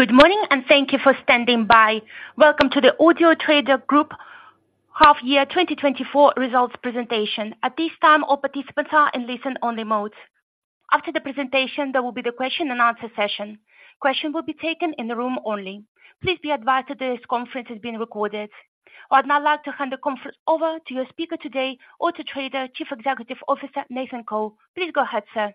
Good morning, and thank you for standing by. Welcome to the Auto Trader Group half year 2024 results presentation. At this time, all participants are in listen-only mode. After the presentation, there will be the question and answer session. Questions will be taken in the room only. Please be advised that this conference is being recorded. I'd now like to hand the conference over to your speaker today, Auto Trader Chief Executive Officer, Nathan Coe. Please go ahead, sir.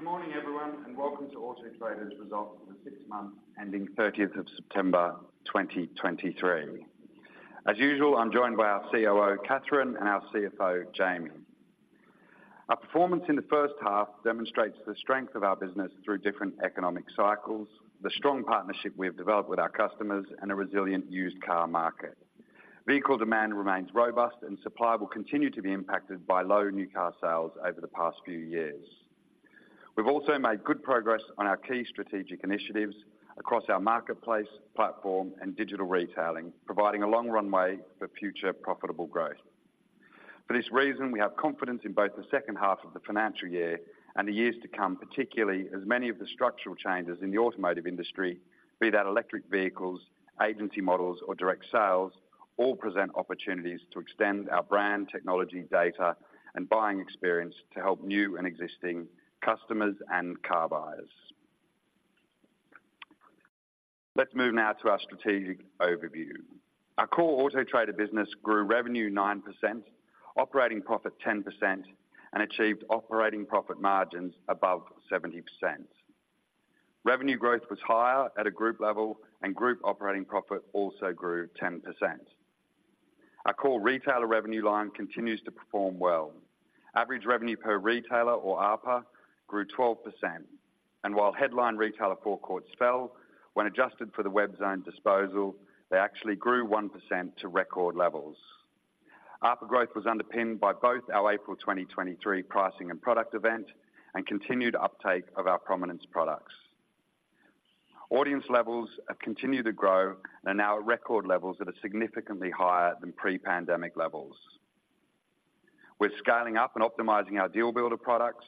Good morning, everyone, and welcome to Auto Trader's results for the six months ending 30th of September, 2023. As usual, I'm joined by our COO, Catherine, and our CFO, Jamie. Our performance in the first half demonstrates the strength of our business through different economic cycles, the strong partnership we have developed with our customers, and a resilient used car market. Vehicle demand remains robust, and supply will continue to be impacted by low new car sales over the past few years. We've also made good progress on our key strategic initiatives across our marketplace, platform, and digital retailing, providing a long runway for future profitable growth. For this reason, we have confidence in both the second half of the financial year and the years to come, particularly as many of the structural changes in the automotive industry, be that electric vehicles, agency models, or direct sales, all present opportunities to extend our brand, technology, data, and buying experience to help new and existing customers and car buyers. Let's move now to our strategic overview. Our core Auto Trader business grew revenue 9%, operating profit 10%, and achieved operating profit margins above 70%. Revenue growth was higher at a group level, and group operating profit also grew 10%. Our core retailer revenue line continues to perform well. Average revenue per retailer, or ARPA, grew 12%, and while headline retailer forecourts fell, when adjusted for the Webzone disposal, they actually grew 1% to record levels. ARPA growth was underpinned by both our April 2023 pricing and product event and continued uptake of our Prominence products. Audience levels have continued to grow and are now at record levels that are significantly higher than pre-pandemic levels. We're scaling up and optimizing our Deal Builder products.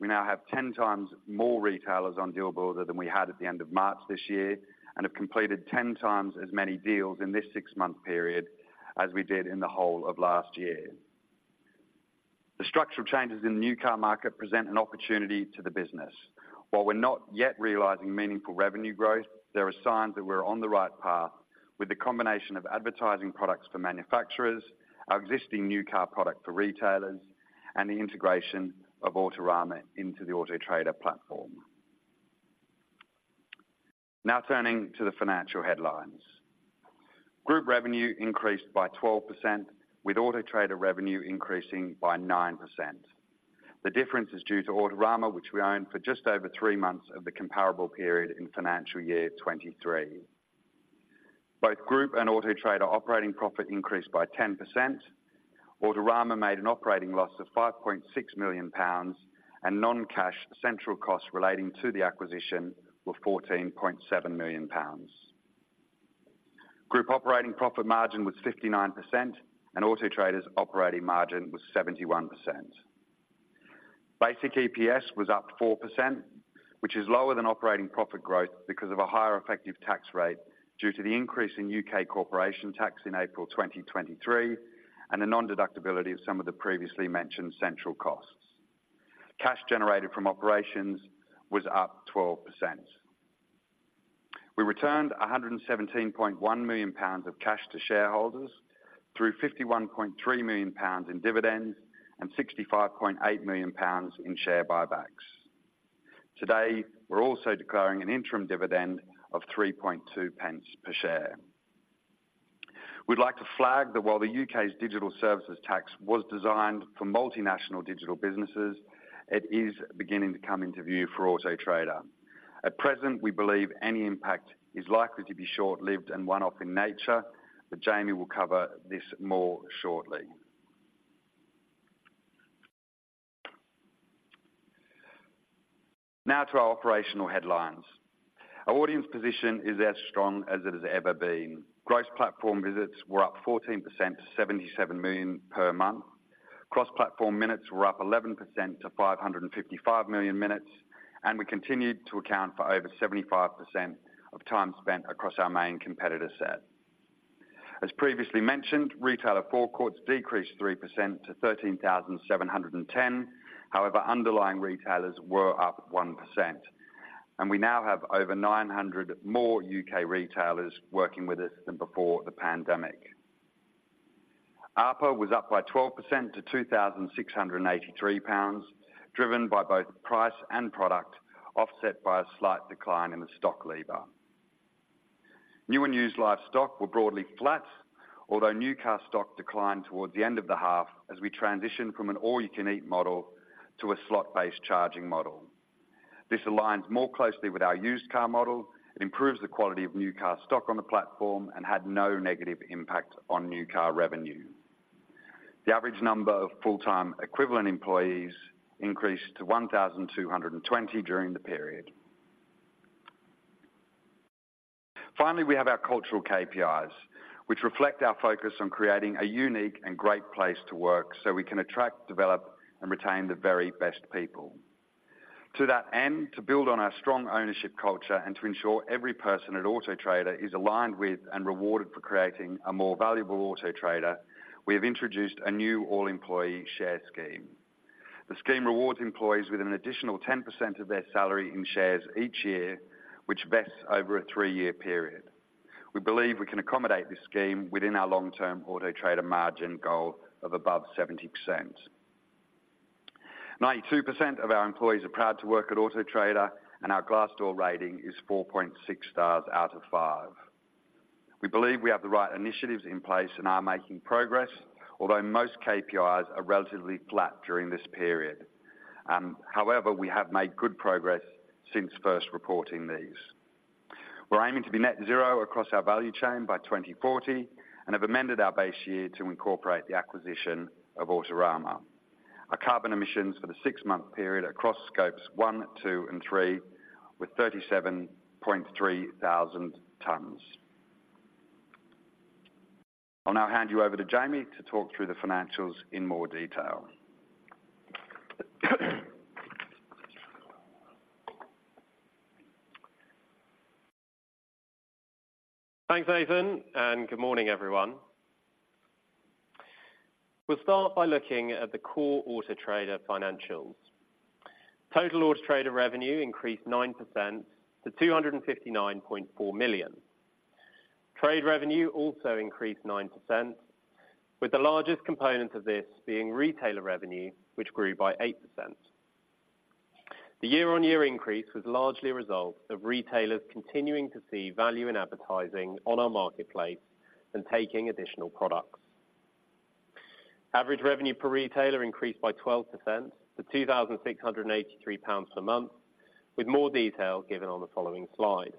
We now have 10 times more retailers on Deal Builder than we had at the end of March this year and have completed 10 times as many deals in this six-month period as we did in the whole of last year. The structural changes in the new car market present an opportunity to the business. While we're not yet realizing meaningful revenue growth, there are signs that we're on the right path with the combination of advertising products for manufacturers, our existing new car product for retailers, and the integration of Autorama into the Auto Trader platform. Now, turning to the financial headlines. Group revenue increased by 12%, with Auto Trader revenue increasing by 9%. The difference is due to Autorama, which we owned for just over three months of the comparable period in financial year 2023. Both Group and Auto Trader operating profit increased by 10%. Autorama made an operating loss of 5.6 million pounds, and non-cash central costs relating to the acquisition were 14.7 million pounds. Group operating profit margin was 59%, and Auto Trader's operating margin was 71%. Basic EPS was up 4%, which is lower than operating profit growth because of a higher effective tax rate due to the increase in U.K. corporation tax in April 2023, and the non-deductibility of some of the previously mentioned central costs. Cash generated from operations was up 12%. We returned 117.1 million pounds of cash to shareholders through 51.3 million pounds in dividends and 65.8 million pounds in share buybacks. Today, we're also declaring an interim dividend of 0.032 per share. We'd like to flag that while the U.K.'s Digital Services Tax was designed for multinational digital businesses, it is beginning to come into view for Auto Trader. At present, we believe any impact is likely to be short-lived and one-off in nature, but Jamie will cover this more shortly. Now to our operational headlines. Our audience position is as strong as it has ever been. Gross platform visits were up 14% to 77 million per month. Cross-platform minutes were up 11% to 555 million minutes, and we continued to account for over 75% of time spent across our main competitor set. As previously mentioned, retailer forecourts decreased 3% to 13,710. However, underlying retailers were up 1%, and we now have over 900 more U.K. retailers working with us than before the pandemic. ARPA was up by 12% to 2,683 pounds, driven by both price and product, offset by a slight decline in the stock lever. New and used live stock were broadly flat, although new car stock declined towards the end of the half as we transition from an all-you-can-eat model to a slot-based charging model.... This aligns more closely with our used car model, it improves the quality of new car stock on the platform, and had no negative impact on new car revenue. The average number of full-time equivalent employees increased to 1,220 during the period. Finally, we have our cultural KPIs, which reflect our focus on creating a unique and great place to work, so we can attract, develop, and retain the very best people. To that end, to build on our strong ownership culture, and to ensure every person at Auto Trader is aligned with and rewarded for creating a more valuable Auto Trader, we have introduced a new all-employee share scheme. The scheme rewards employees with an additional 10% of their salary in shares each year, which vests over a three-year period. We believe we can accommodate this scheme within our long-term Auto Trader margin goal of above 70%. 92% of our employees are proud to work at Auto Trader, and our Glassdoor rating is 4.6 stars out of 5. We believe we have the right initiatives in place and are making progress, although most KPIs are relatively flat during this period. However, we have made good progress since first reporting these. We're aiming to be net zero across our value chain by 2040, and have amended our base year to incorporate the acquisition of Autorama. Our carbon emissions for the six-month period across scopes 1, 2, and 3 were 37,300 tons. I'll now hand you over to Jamie to talk through the financials in more detail. Thanks, Nathan, and good morning, everyone. We'll start by looking at the core Auto Trader financials. Total Auto Trader revenue increased 9% to 259.4 million. Trade revenue also increased 9%, with the largest component of this being retailer revenue, which grew by 8%. The year-on-year increase was largely a result of retailers continuing to see value in advertising on our marketplace and taking additional products. Average revenue per retailer increased by 12% to 2,683 pounds per month, with more detail given on the following Slide.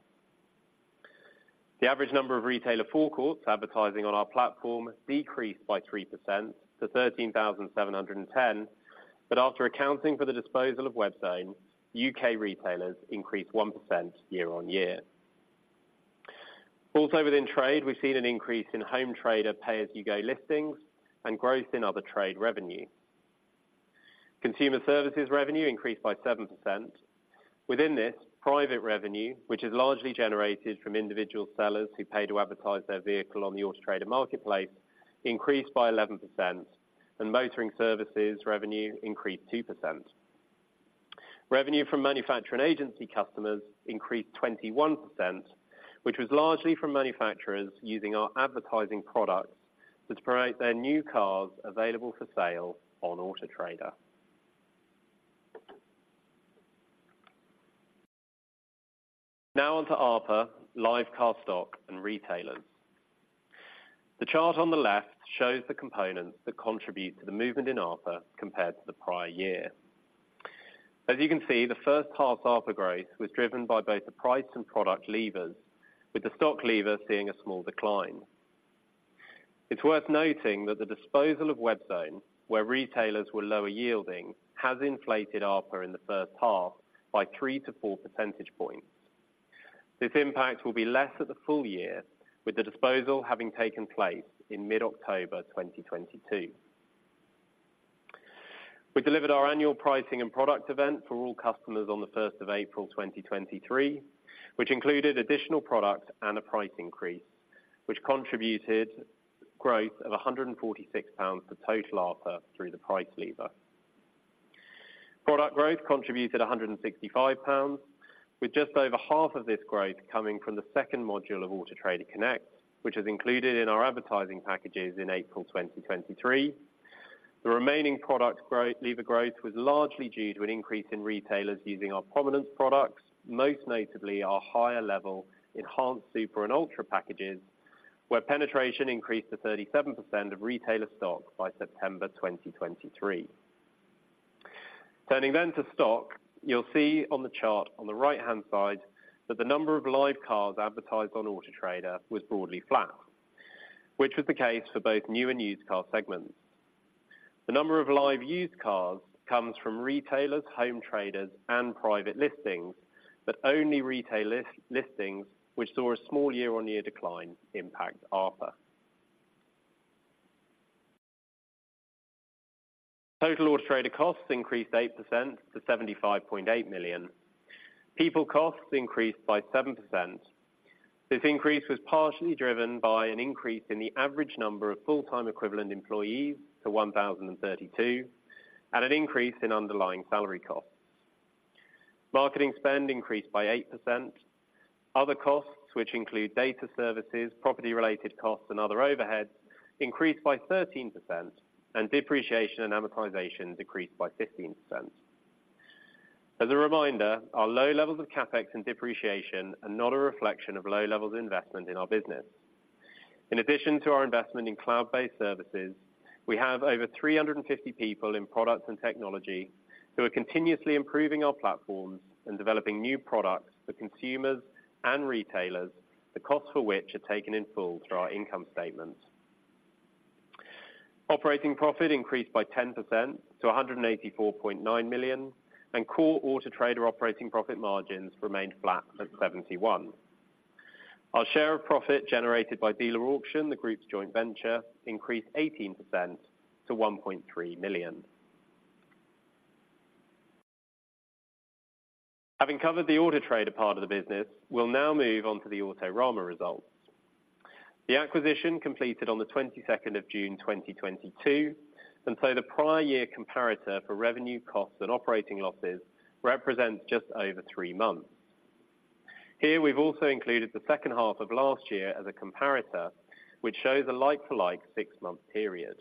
The average number of retailer forecourts advertising on our platform decreased by 3% to 13,710, but after accounting for the disposal of Webzone, U.K. retailers increased 1% year-on-year. Also within trade, we've seen an increase in Home Trader pay-as-you-go listings and growth in other trade revenue. Consumer services revenue increased by 7%. Within this, private revenue, which is largely generated from individual sellers who pay to advertise their vehicle on the Auto Trader marketplace, increased by 11%, and motoring services revenue increased 2%. Revenue from manufacturer and agency customers increased 21%, which was largely from manufacturers using our advertising products to promote their new cars available for sale on Auto Trader. Now on to ARPA, live car stock, and retailers. The chart on the left shows the components that contribute to the movement in ARPA compared to the prior year. As you can see, the first half ARPA growth was driven by both the price and product levers, with the stock lever seeing a small decline. It's worth noting that the disposal of Webzone, where retailers were lower yielding, has inflated ARPA in the first half by 3-4 percentage points. This impact will be less at the full year, with the disposal having taken place in mid-October 2022. We delivered our annual pricing and product event for all customers on the first of April 2023, which included additional product and a price increase, which contributed growth of 146 pounds to total ARPA through the price lever. Product growth contributed 165 pounds, with just over half of this growth coming from the second module of Auto Trader Connect, which is included in our advertising packages in April 2023. The remaining product growth-lever growth was largely due to an increase in retailers using our Prominence products, most notably our higher-level Enhanced, Super, and Ultra packages, where penetration increased to 37% of retailer stock by September 2023. Turning then to stock, you'll see on the chart on the right-hand side that the number of live cars advertised on Auto Trader was broadly flat, which was the case for both new and used car segments. The number of live used cars comes from retailers, Home Traders, and private listings, but only retail listings, which saw a small year-on-year decline impact ARPA. Total Auto Trader costs increased 8% to 75.8 million. People costs increased by 7%. This increase was partially driven by an increase in the average number of full-time equivalent employees to 1,032, and an increase in underlying salary costs. Marketing spend increased by 8%. Other costs, which include data services, property-related costs, and other overheads, increased by 13%, and depreciation and amortization decreased by 15%. As a reminder, our low levels of CapEx and depreciation are not a reflection of low levels of investment in our business.... In addition to our investment in cloud-based services, we have over 350 people in products and technology, who are continuously improving our platforms and developing new products for consumers and retailers, the costs for which are taken in full through our income statement. Operating profit increased by 10% to 184.9 million, and core Auto Trader operating profit margins remained flat at 71%. Our share of profit generated by Dealer Auction, the group's joint venture, increased 18% to 1.3 million. Having covered the Auto Trader part of the business, we'll now move on to the Autorama results. The acquisition completed on the 22nd of June, 2022, and so the prior year comparator for revenue costs and operating losses represents just over three months. Here, we've also included the second half of last year as a comparator, which shows a like-for-like 6-month period.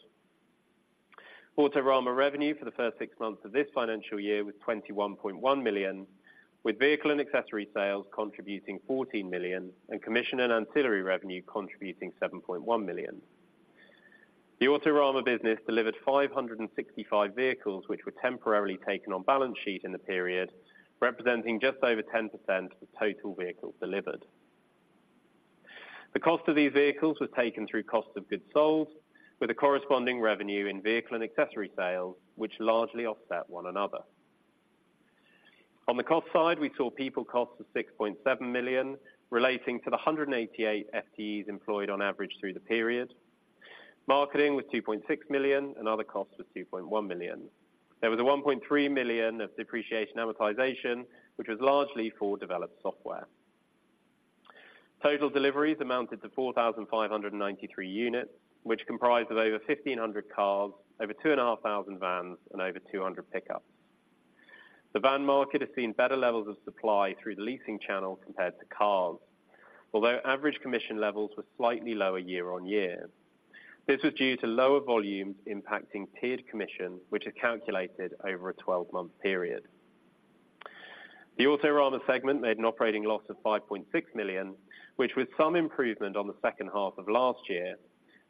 Autorama revenue for the first six months of this financial year was 21.1 million, with vehicle and accessory sales contributing 14 million, and commission and ancillary revenue contributing 7.1 million. The Autorama business delivered 565 vehicles, which were temporarily taken on balance sheet in the period, representing just over 10% of total vehicles delivered. The cost of these vehicles was taken through cost of goods sold, with a corresponding revenue in vehicle and accessory sales, which largely offset one another. On the cost side, we saw people costs of 6.7 million, relating to the 188 FTEs employed on average through the period. Marketing was 2.6 million, and other costs was 2.1 million. There was a 1.3 million of depreciation and amortization, which was largely for developed software. Total deliveries amounted to 4,593 units, which comprised of over 1,500 cars, over 2,500 vans, and over 200 pickups. The van market has seen better levels of supply through the leasing channel compared to cars, although average commission levels were slightly lower year-on-year. This was due to lower volumes impacting tiered commission, which is calculated over a 12-month period. The Autorama segment made an operating loss of 5.6 million, which was some improvement on the second half of last year,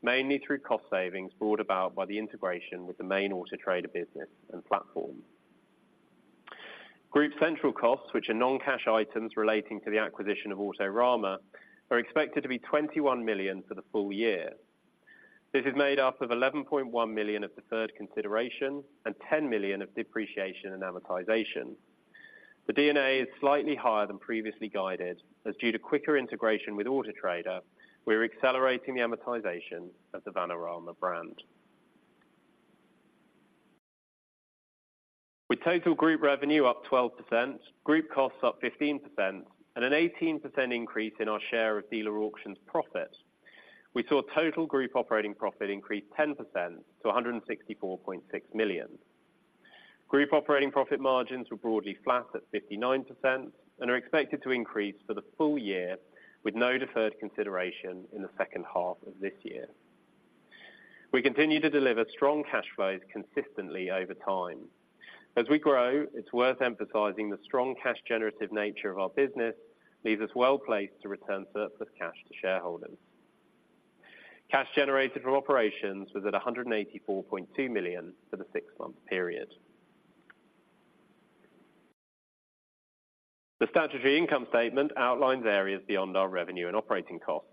mainly through cost savings brought about by the integration with the main Auto Trader business and platform. Group central costs, which are non-cash items relating to the acquisition of Autorama, are expected to be 21 million for the full year. This is made up of 11.1 million of deferred consideration and 10 million of depreciation and amortization. The D&A is slightly higher than previously guided, as due to quicker integration with Auto Trader, we're accelerating the amortization of the Vanarama brand. With total group revenue up 12%, group costs up 15%, and an 18% increase in our share of Dealer Auction profit, we saw total group operating profit increase 10% to 164.6 million. Group operating profit margins were broadly flat at 59% and are expected to increase for the full year, with no deferred consideration in the second half of this year. We continue to deliver strong cash flows consistently over time. As we grow, it's worth emphasizing the strong cash generative nature of our business leaves us well placed to return surplus cash to shareholders. Cash generated from operations was at 184.2 million for the six-month period. The statutory income statement outlines areas beyond our revenue and operating costs.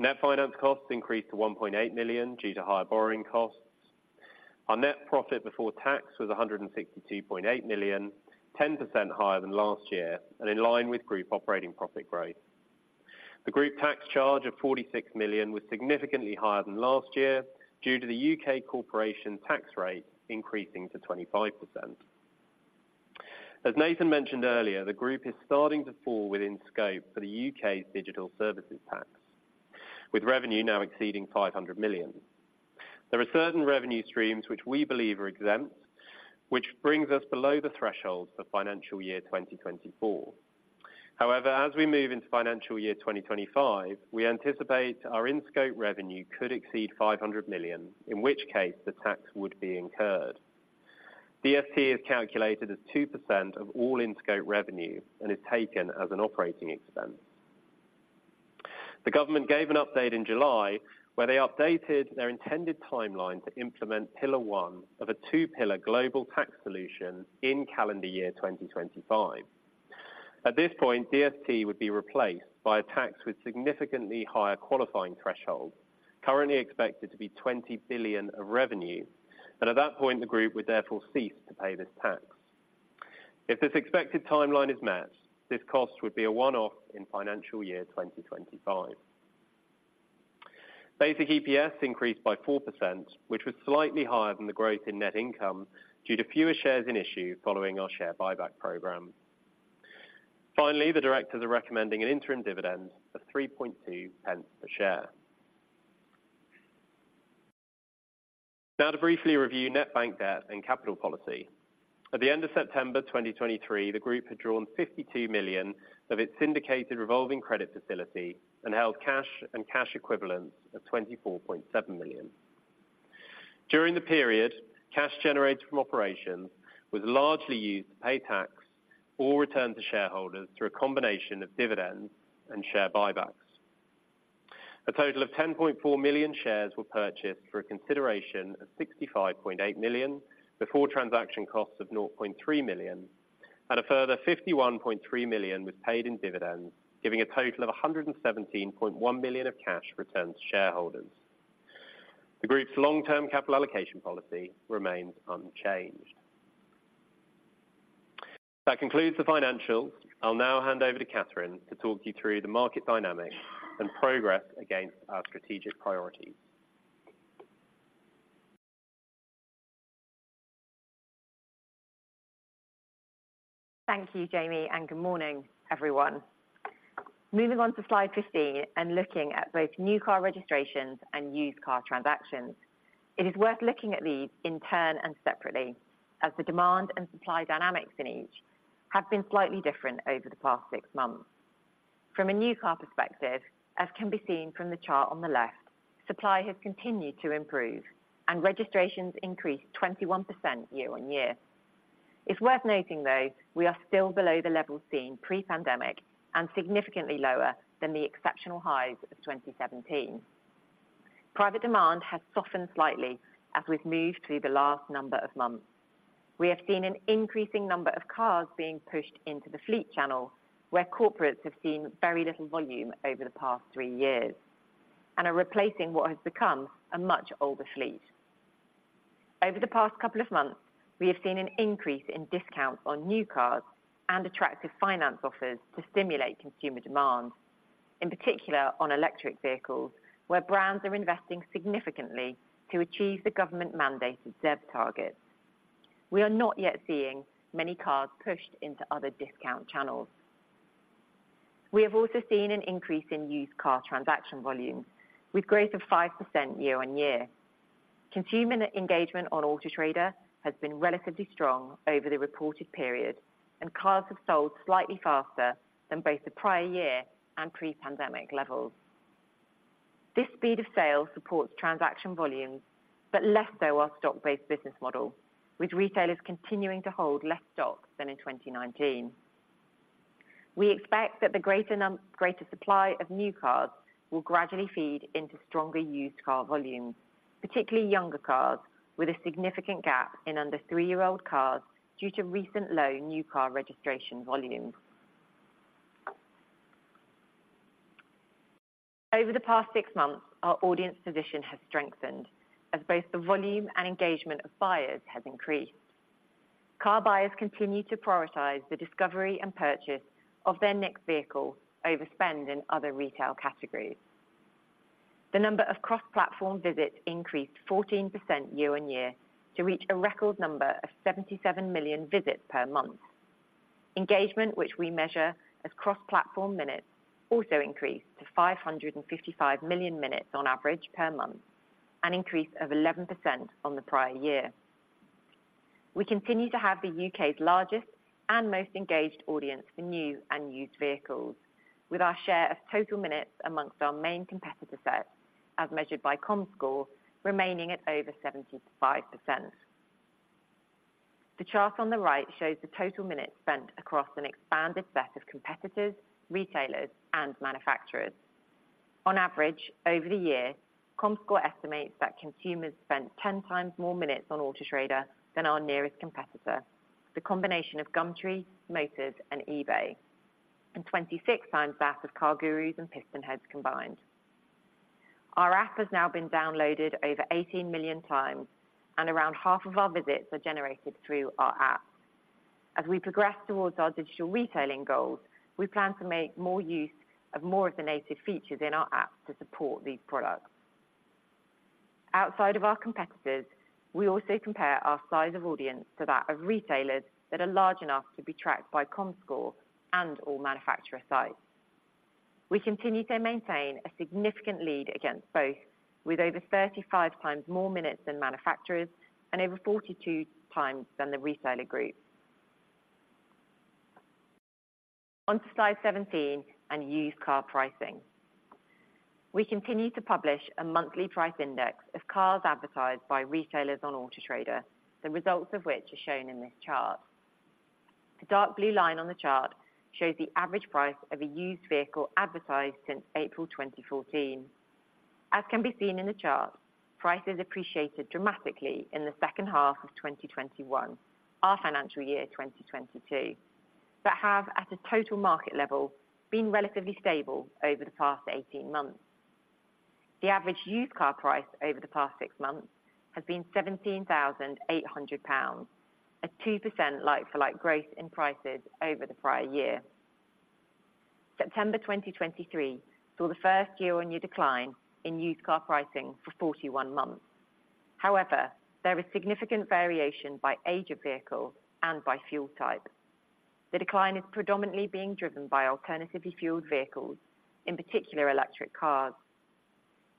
Net finance costs increased to 1.8 million due to higher borrowing costs. Our net profit before tax was 162.8 million, 10% higher than last year and in line with group operating profit growth. The group tax charge of 46 million was significantly higher than last year due to the U.K. corporation tax rate increasing to 25%. As Nathan mentioned earlier, the group is starting to fall within scope for the U.K.'s Digital Services ax, with revenue now exceeding 500 million. There are certain revenue streams which we believe are exempt, which brings us below the threshold for financial year 2024. However, as we move into financial year 2025, we anticipate our in-scope revenue could exceed 500 million, in which case the tax would be incurred. DST is calculated as 2% of all in-scope revenue and is taken as an operating expense. The government gave an update in July, where they updated their intended timeline to implement Pillar One of a two-pillar global tax solution in calendar year 2025. At this point, DST would be replaced by a tax with significantly higher qualifying thresholds, currently expected to be 20 billion of revenue, and at that point, the group would therefore cease to pay this tax. If this expected timeline is met, this cost would be a one-off in financial year 2025. Basic EPS increased by 4%, which was slightly higher than the growth in net income due to fewer shares in issue following our share buyback program. Finally, the directors are recommending an interim dividend of 3.2 pence per share. Now to briefly review net bank debt and capital policy. At the end of September 2023, the group had drawn 52 million of its indicated revolving credit facility and held cash and cash equivalents of 24.7 million. During the period, cash generated from operations was largely used to pay tax or return to shareholders through a combination of dividends and share buybacks. A total of 10.4 million shares were purchased for a consideration of 65.8 million, before transaction costs of 0.3 million, and a further 51.3 million was paid in dividends, giving a total of 117.1 million of cash returned to shareholders. The group's long-term capital allocation policy remains unchanged. That concludes the financials. I'll now hand over to Catherine to talk you through the market dynamics and progress against our strategic priorities. Thank you, Jamie, and good morning, everyone. Moving on to Slide 15 and looking at both new car registrations and used car transactions, it is worth looking at these in turn and separately, as the demand and supply dynamics in each have been slightly different over the past six months. From a new car perspective, as can be seen from the chart on the left, supply has continued to improve, and registrations increased 21% year-on-year. It's worth noting, though, we are still below the levels seen pre-pandemic and significantly lower than the exceptional highs of 2017. Private demand has softened slightly as we've moved through the last number of months. We have seen an increasing number of cars being pushed into the fleet channel, where corporates have seen very little volume over the past three years and are replacing what has become a much older fleet. Over the past couple of months, we have seen an increase in discounts on new cars and attractive finance offers to stimulate consumer demand, in particular on electric vehicles, where brands are investing significantly to achieve the government-mandated ZEV targets. We are not yet seeing many cars pushed into other discount channels. We have also seen an increase in used car transaction volumes with growth of 5% year-on-year. Consumer engagement on Auto Trader has been relatively strong over the reported period, and cars have sold slightly faster than both the prior year and pre-pandemic levels. This speed of sale supports transaction volumes, but less so our stock-based business model, with retailers continuing to hold less stock than in 2019. We expect that the greater supply of new cars will gradually feed into stronger used car volumes, particularly younger cars, with a significant gap in under 3-year-old cars due to recent low new car registration volumes. Over the past 6 months, our audience position has strengthened as both the volume and engagement of buyers has increased. Car buyers continue to prioritize the discovery and purchase of their next vehicle overspend in other retail categories. The number of cross-platform visits increased 14% year-over-year to reach a record number of 77 million visits per month. Engagement, which we measure as cross-platform minutes, also increased to 555 million minutes on average per month, an increase of 11% on the prior year. We continue to have the U.K.'s largest and most engaged audience for new and used vehicles, with our share of total minutes amongst our main competitor set, as measured by Comscore, remaining at over 75%. The chart on the right shows the total minutes spent across an expanded set of competitors, retailers, and manufacturers. On average, over the year, Comscore estimates that consumers spent 10x more minutes on Auto Trader than our nearest competitor, the combination of Gumtree, Motors, and eBay, and 26x that of CarGurus and PistonHeads combined. Our app has now been downloaded over 18 million times, and around half of our visits are generated through our app. As we progress towards our digital retailing goals, we plan to make more use of more of the native features in our app to support these products. Outside of our competitors, we also compare our size of audience to that of retailers that are large enough to be tracked by Comscore and/or manufacturer sites. We continue to maintain a significant lead against both, with over 35x more minutes than manufacturers and over 42x than the reseller group. On to Slide 17 and used car pricing. We continue to publish a monthly price index of cars advertised by retailers on Auto Trader, the results of which are shown in this chart. The dark blue line on the chart shows the average price of a used vehicle advertised since April 2014. As can be seen in the chart, prices appreciated dramatically in the second half of 2021, our financial year 2022, but have, at a total market level, been relatively stable over the past 18 months. The average used car price over the past six months has been 17,800 pounds, a 2% like-for-like growth in prices over the prior year. September 2023 saw the first year-on-year decline in used car pricing for 41 months. However, there is significant variation by age of vehicle and by fuel type. The decline is predominantly being driven by alternatively fueled vehicles, in particular electric cars.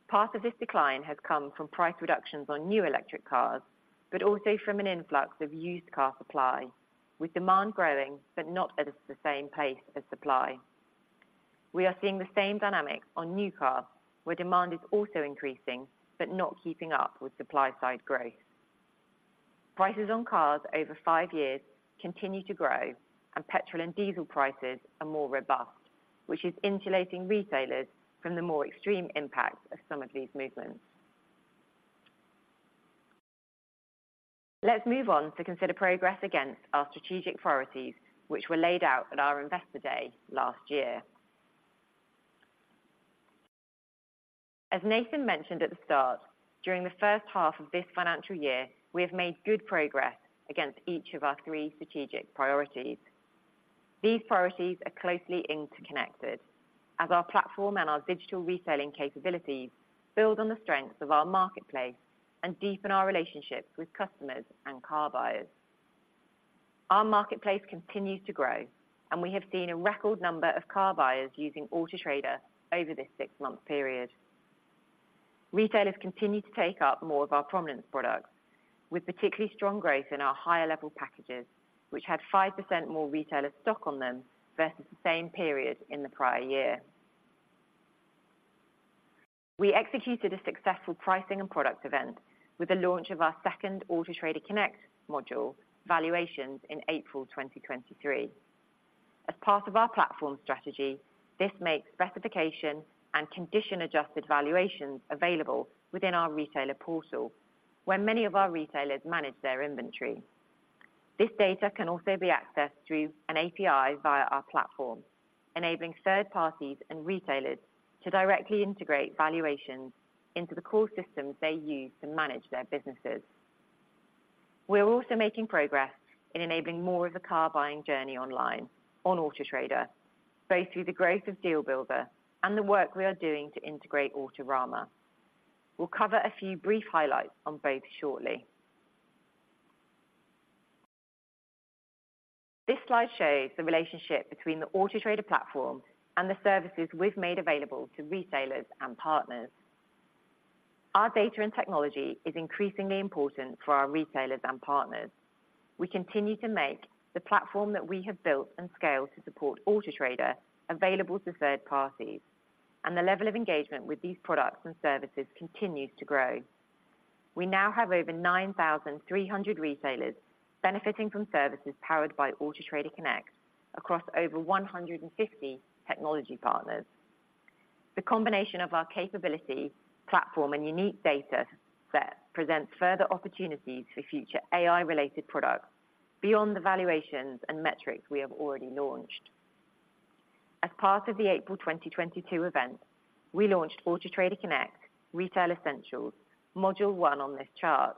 Part of this decline has come from price reductions on new electric cars, but also from an influx of used car supply, with demand growing, but not at the same pace as supply.... We are seeing the same dynamic on new cars, where demand is also increasing, but not keeping up with supply-side growth. Prices on cars over five years continue to grow, and petrol and diesel prices are more robust, which is insulating retailers from the more extreme impact of some of these movements. Let's move on to consider progress against our strategic priorities, which were laid out at our Investor Day last year. As Nathan mentioned at the start, during the first half of this financial year, we have made good progress against each of our three strategic priorities. These priorities are closely interconnected, as our platform and our digital retailing capabilities build on the strengths of our marketplace and deepen our relationships with customers and car buyers. Our marketplace continues to grow, and we have seen a record number of car buyers using Auto Trader over this six-month period. Retailers continue to take up more of our Prominence products, with particularly strong growth in our higher level packages, which had 5% more retailer stock on them versus the same period in the prior year. We executed a successful pricing and product event with the launch of our second Auto Trader Connect module valuations in April 2023. As part of our platform strategy, this makes specification and condition-adjusted valuations available within our Retailer Portal, where many of our retailers manage their inventory. This data can also be accessed through an API via our platform, enabling third parties and retailers to directly integrate valuations into the core systems they use to manage their businesses. We're also making progress in enabling more of the car buying journey online on Auto Trader, both through the growth of Deal Builder and the work we are doing to integrate Autorama. We'll cover a few brief highlights on both shortly. This Slide shows the relationship between the Auto Trader platform and the services we've made available to retailers and partners. Our data and technology is increasingly important for our retailers and partners. We continue to make the platform that we have built and scaled to support Auto Trader available to third parties, and the level of engagement with these products and services continues to grow. We now have over 9,300 retailers benefiting from services powered by Auto Trader Connect across over 150 technology partners. The combination of our capability, platform, and unique data set presents further opportunities for future AI-related products beyond the valuations and metrics we have already launched. As part of the April 2022 event, we launched Auto Trader Connect Retail Essentials, module one on this chart,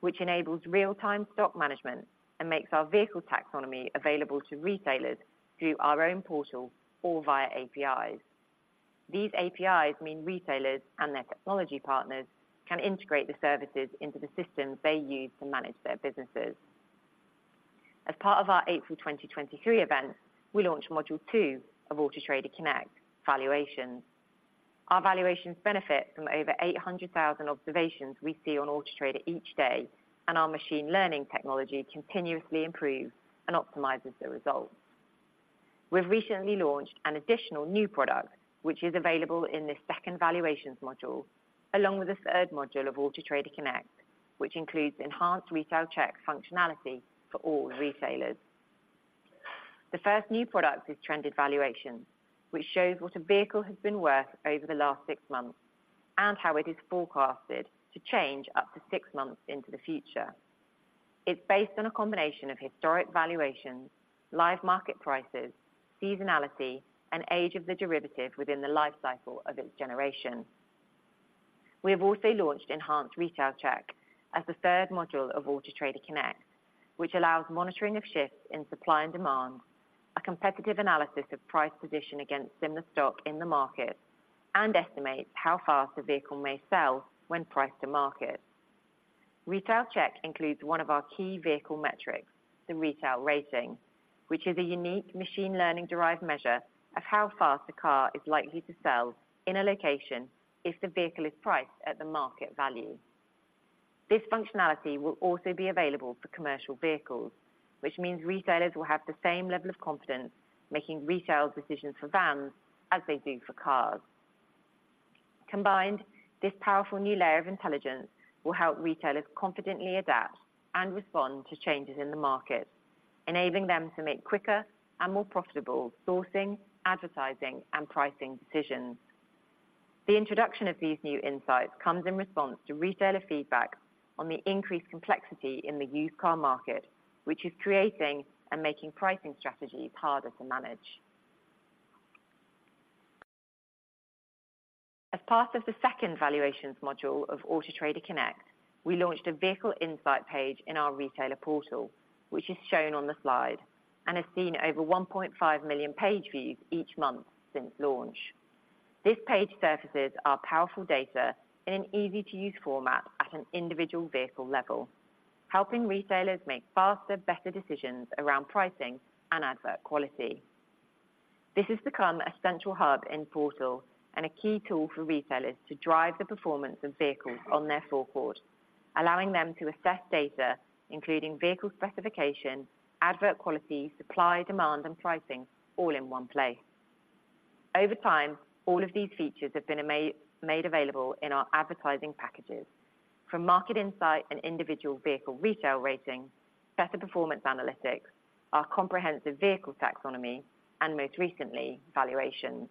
which enables real-time stock management and makes our vehicle taxonomy available to retailers through our own portal or via APIs. These APIs mean retailers and their technology partners can integrate the services into the systems they use to manage their businesses. As part of our April 2023 event, we launched module two of Auto Trader Connect valuations. Our valuations benefit from over 800,000 observations we see on Auto Trader each day, and our machine learning technology continuously improves and optimizes the results. We've recently launched an additional new product, which is available in the second valuations module, along with a third module of Auto Trader Connect, which includes Enhanced Retail Check functionality for all retailers. The first new product is Trended Valuations, which shows what a vehicle has been worth over the last six months and how it is forecasted to change up to six months into the future. It's based on a combination of historic valuations, live market prices, seasonality, and age of the derivative within the life cycle of its generation. We have also launched Enhanced Retail Check as the third module of Auto Trader Connect, which allows monitoring of shifts in supply and demand, a competitive analysis of price position against similar stock in the market, and estimates how fast a vehicle may sell when priced to market. Retail Check includes one of our key vehicle metrics, the Retail Rating, which is a unique machine learning-derived measure of how fast a car is likely to sell in a location if the vehicle is priced at the market value. This functionality will also be available for commercial vehicles, which means retailers will have the same level of confidence making retail decisions for vans as they do for cars. Combined, this powerful new layer of intelligence will help retailers confidently adapt and respond to changes in the market, enabling them to make quicker and more profitable sourcing, advertising, and pricing decisions. The introduction of these new insights comes in response to retailer feedback on the increased complexity in the used car market, which is creating and making pricing strategies harder to manage. As part of the second valuations module of Auto Trader Connect, we launched a vehicle insight page in our retailer portal, which is shown on the slide and has seen over 1.5 million page views each month since launch. This page surfaces our powerful data in an easy-to-use format at an individual vehicle level, helping retailers make faster, better decisions around pricing and advert quality. This has become a central hub in portal and a key tool for retailers to drive the performance of vehicles on their forecourt... allowing them to assess data, including vehicle specification, advert quality, supply, demand, and pricing, all in one place. Over time, all of these features have been made available in our advertising packages. From market insight and individual vehicle retail ratings, better performance analytics, our comprehensive vehicle taxonomy, and most recently, valuations.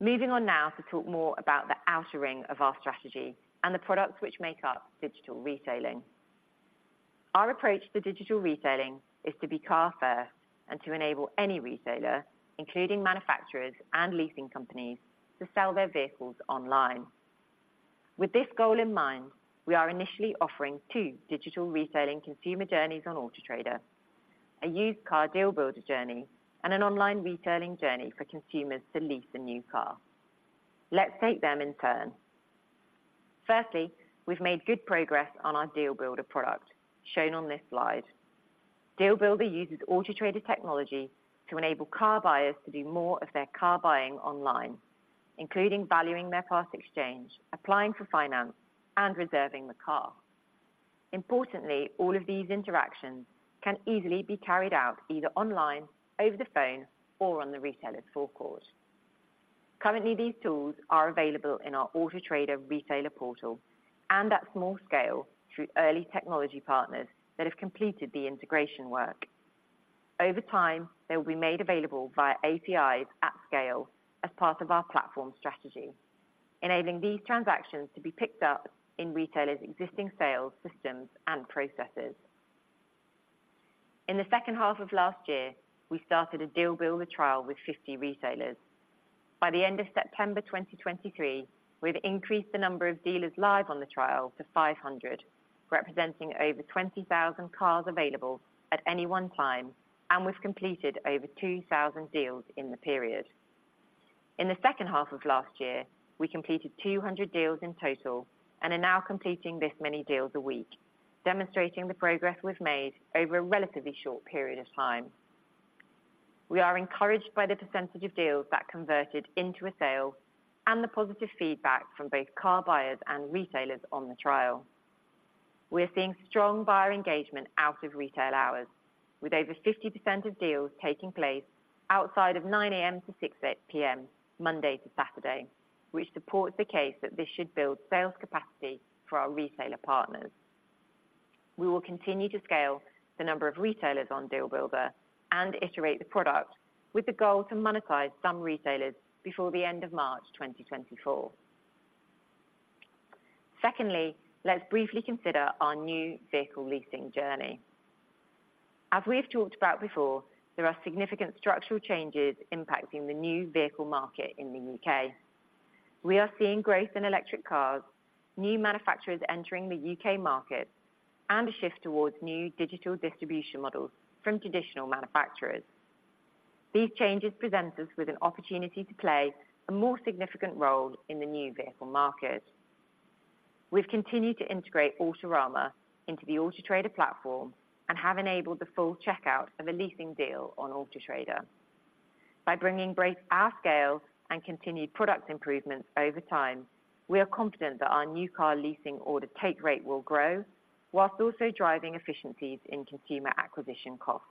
Moving on now to talk more about the outer ring of our strategy and the products which make up digital retailing. Our approach to digital retailing is to be covered and to enable any retailer, including manufacturers and leasing companies, to sell their vehicles online. With this goal in mind, we are initially offering two digital retailing consumer journeys on Auto Trader, a used car Deal Builder journey, and an online retailing journey for consumers to lease a new car. Let's take them in turn. Firstly, we've made good progress on our Deal Builder product, shown on this slide. Deal Builder uses Auto Trader technology to enable car buyers to do more of their car buying online, including valuing their part exchange, applying for finance, and reserving the car. Importantly, all of these interactions can easily be carried out either online, over the phone, or on the retailer's forecourt. Currently, these tools are available in our Auto Trader retailer portal and at small scale through early technology partners that have completed the integration work. Over time, they will be made available via APIs at scale as part of our platform strategy, enabling these transactions to be picked up in retailers' existing sales systems and processes. In the second half of last year, we started a Deal Builder trial with 50 retailers. By the end of September 2023, we've increased the number of dealers live on the trial to 500, representing over 20,000 cars available at any one time, and we've completed over 2,000 deals in the period. In the second half of last year, we completed 200 deals in total and are now completing this many deals a week, demonstrating the progress we've made over a relatively short period of time. We are encouraged by the percentage of deals that converted into a sale and the positive feedback from both car buyers and retailers on the trial. We're seeing strong buyer engagement out of retail hours, with over 50% of deals taking place outside of 9:00 A.M. to 6:00 P.M., Monday to Saturday, which supports the case that this should build sales capacity for our retailer partners. We will continue to scale the number of retailers on Deal Builder and iterate the product with the goal to monetize some retailers before the end of March 2024. Secondly, let's briefly consider our new vehicle leasing journey. As we've talked about before, there are significant structural changes impacting the new vehicle market in the U.K. We are seeing growth in electric cars, new manufacturers entering the U.K. market, and a shift towards new digital distribution models from traditional manufacturers. These changes present us with an opportunity to play a more significant role in the new vehicle market. We've continued to integrate Autorama into the Auto Trader platform and have enabled the full checkout of a leasing deal on Auto Trader. By bringing both our scale and continued product improvements over time, we are confident that our new car leasing order take rate will grow while also driving efficiencies in consumer acquisition costs.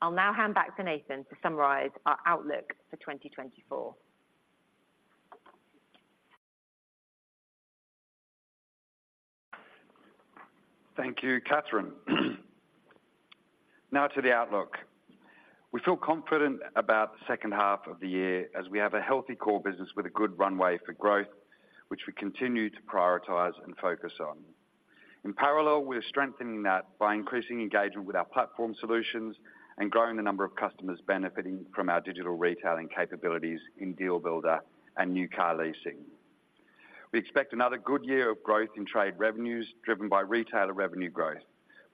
I'll now hand back to Nathan to summarize our outlook for 2024. Thank you, Catherine. Now to the outlook. We feel confident about the second half of the year as we have a healthy core business with a good runway for growth, which we continue to prioritize and focus on. In parallel, we are strengthening that by increasing engagement with our platform solutions and growing the number of customers benefiting from our digital retailing capabilities in Deal Builder and new car leasing. We expect another good year of growth in trade revenues, driven by retailer revenue growth,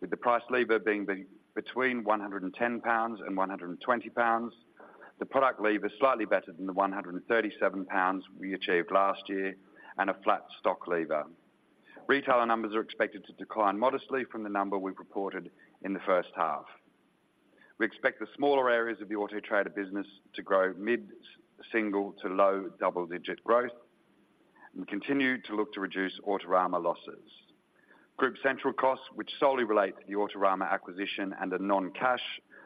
with the price lever being between 110 pounds and 120 pounds, the product lever slightly better than the 137 pounds we achieved last year, and a flat stock lever. Retailer numbers are expected to decline modestly from the number we reported in the first half. We expect the smaller areas of the Auto Trader business to grow mid-single to low double-digit growth, and continue to look to reduce Autorama losses. Group central costs, which solely relate to the Autorama acquisition and are non-cash,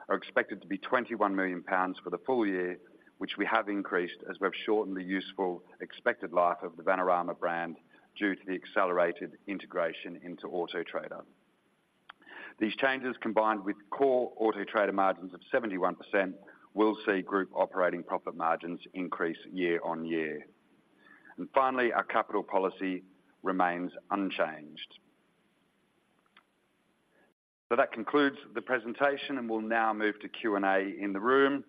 are expected to be 21 million pounds for the full year, which we have increased as we've shortened the useful expected life of the Vanarama brand due to the accelerated integration into Auto Trader. These changes, combined with core Auto Trader margins of 71%, will see group operating profit margins increase year-on-year. Finally, our capital policy remains unchanged. That concludes the presentation, and we'll now move to Q&A in the room.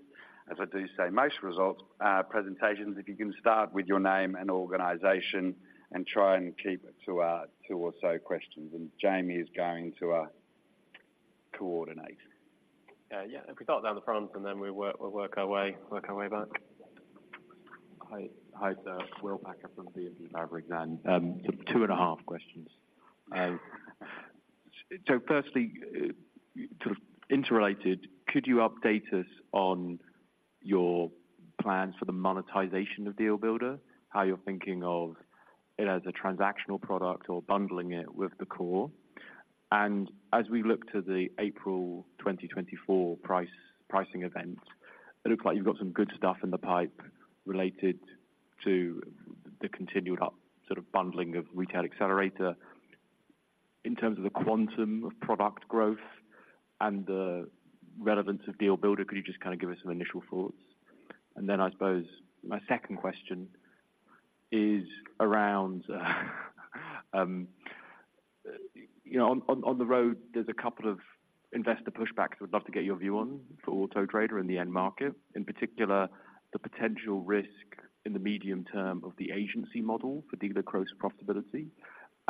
As I do say, most results presentations, if you can start with your name and organization and try and keep it to two or so questions, and Jamie is going to coordinate. Yeah, if we start down the front and then we'll work our way back. Hi, Will Packer from BNP Paribas, and 2.5 questions. So firstly, sort of interrelated, could you update us on your plans for the monetization of Deal Builder? How you're thinking of it as a transactional product or bundling it with the core. And as we look to the April 2024 pricing event, it looks like you've got some good stuff in the pipe related to the continued up sort of bundling of Retail Accelerator. In terms of the quantum of product growth and the relevance of Deal Builder, could you just kind of give us some initial thoughts? And then I suppose my second question is around you know, on the road, there's a couple of investor pushbacks I would love to get your view on for Auto Trader in the end market. In particular, the potential risk in the medium term of the agency model for dealer gross profitability,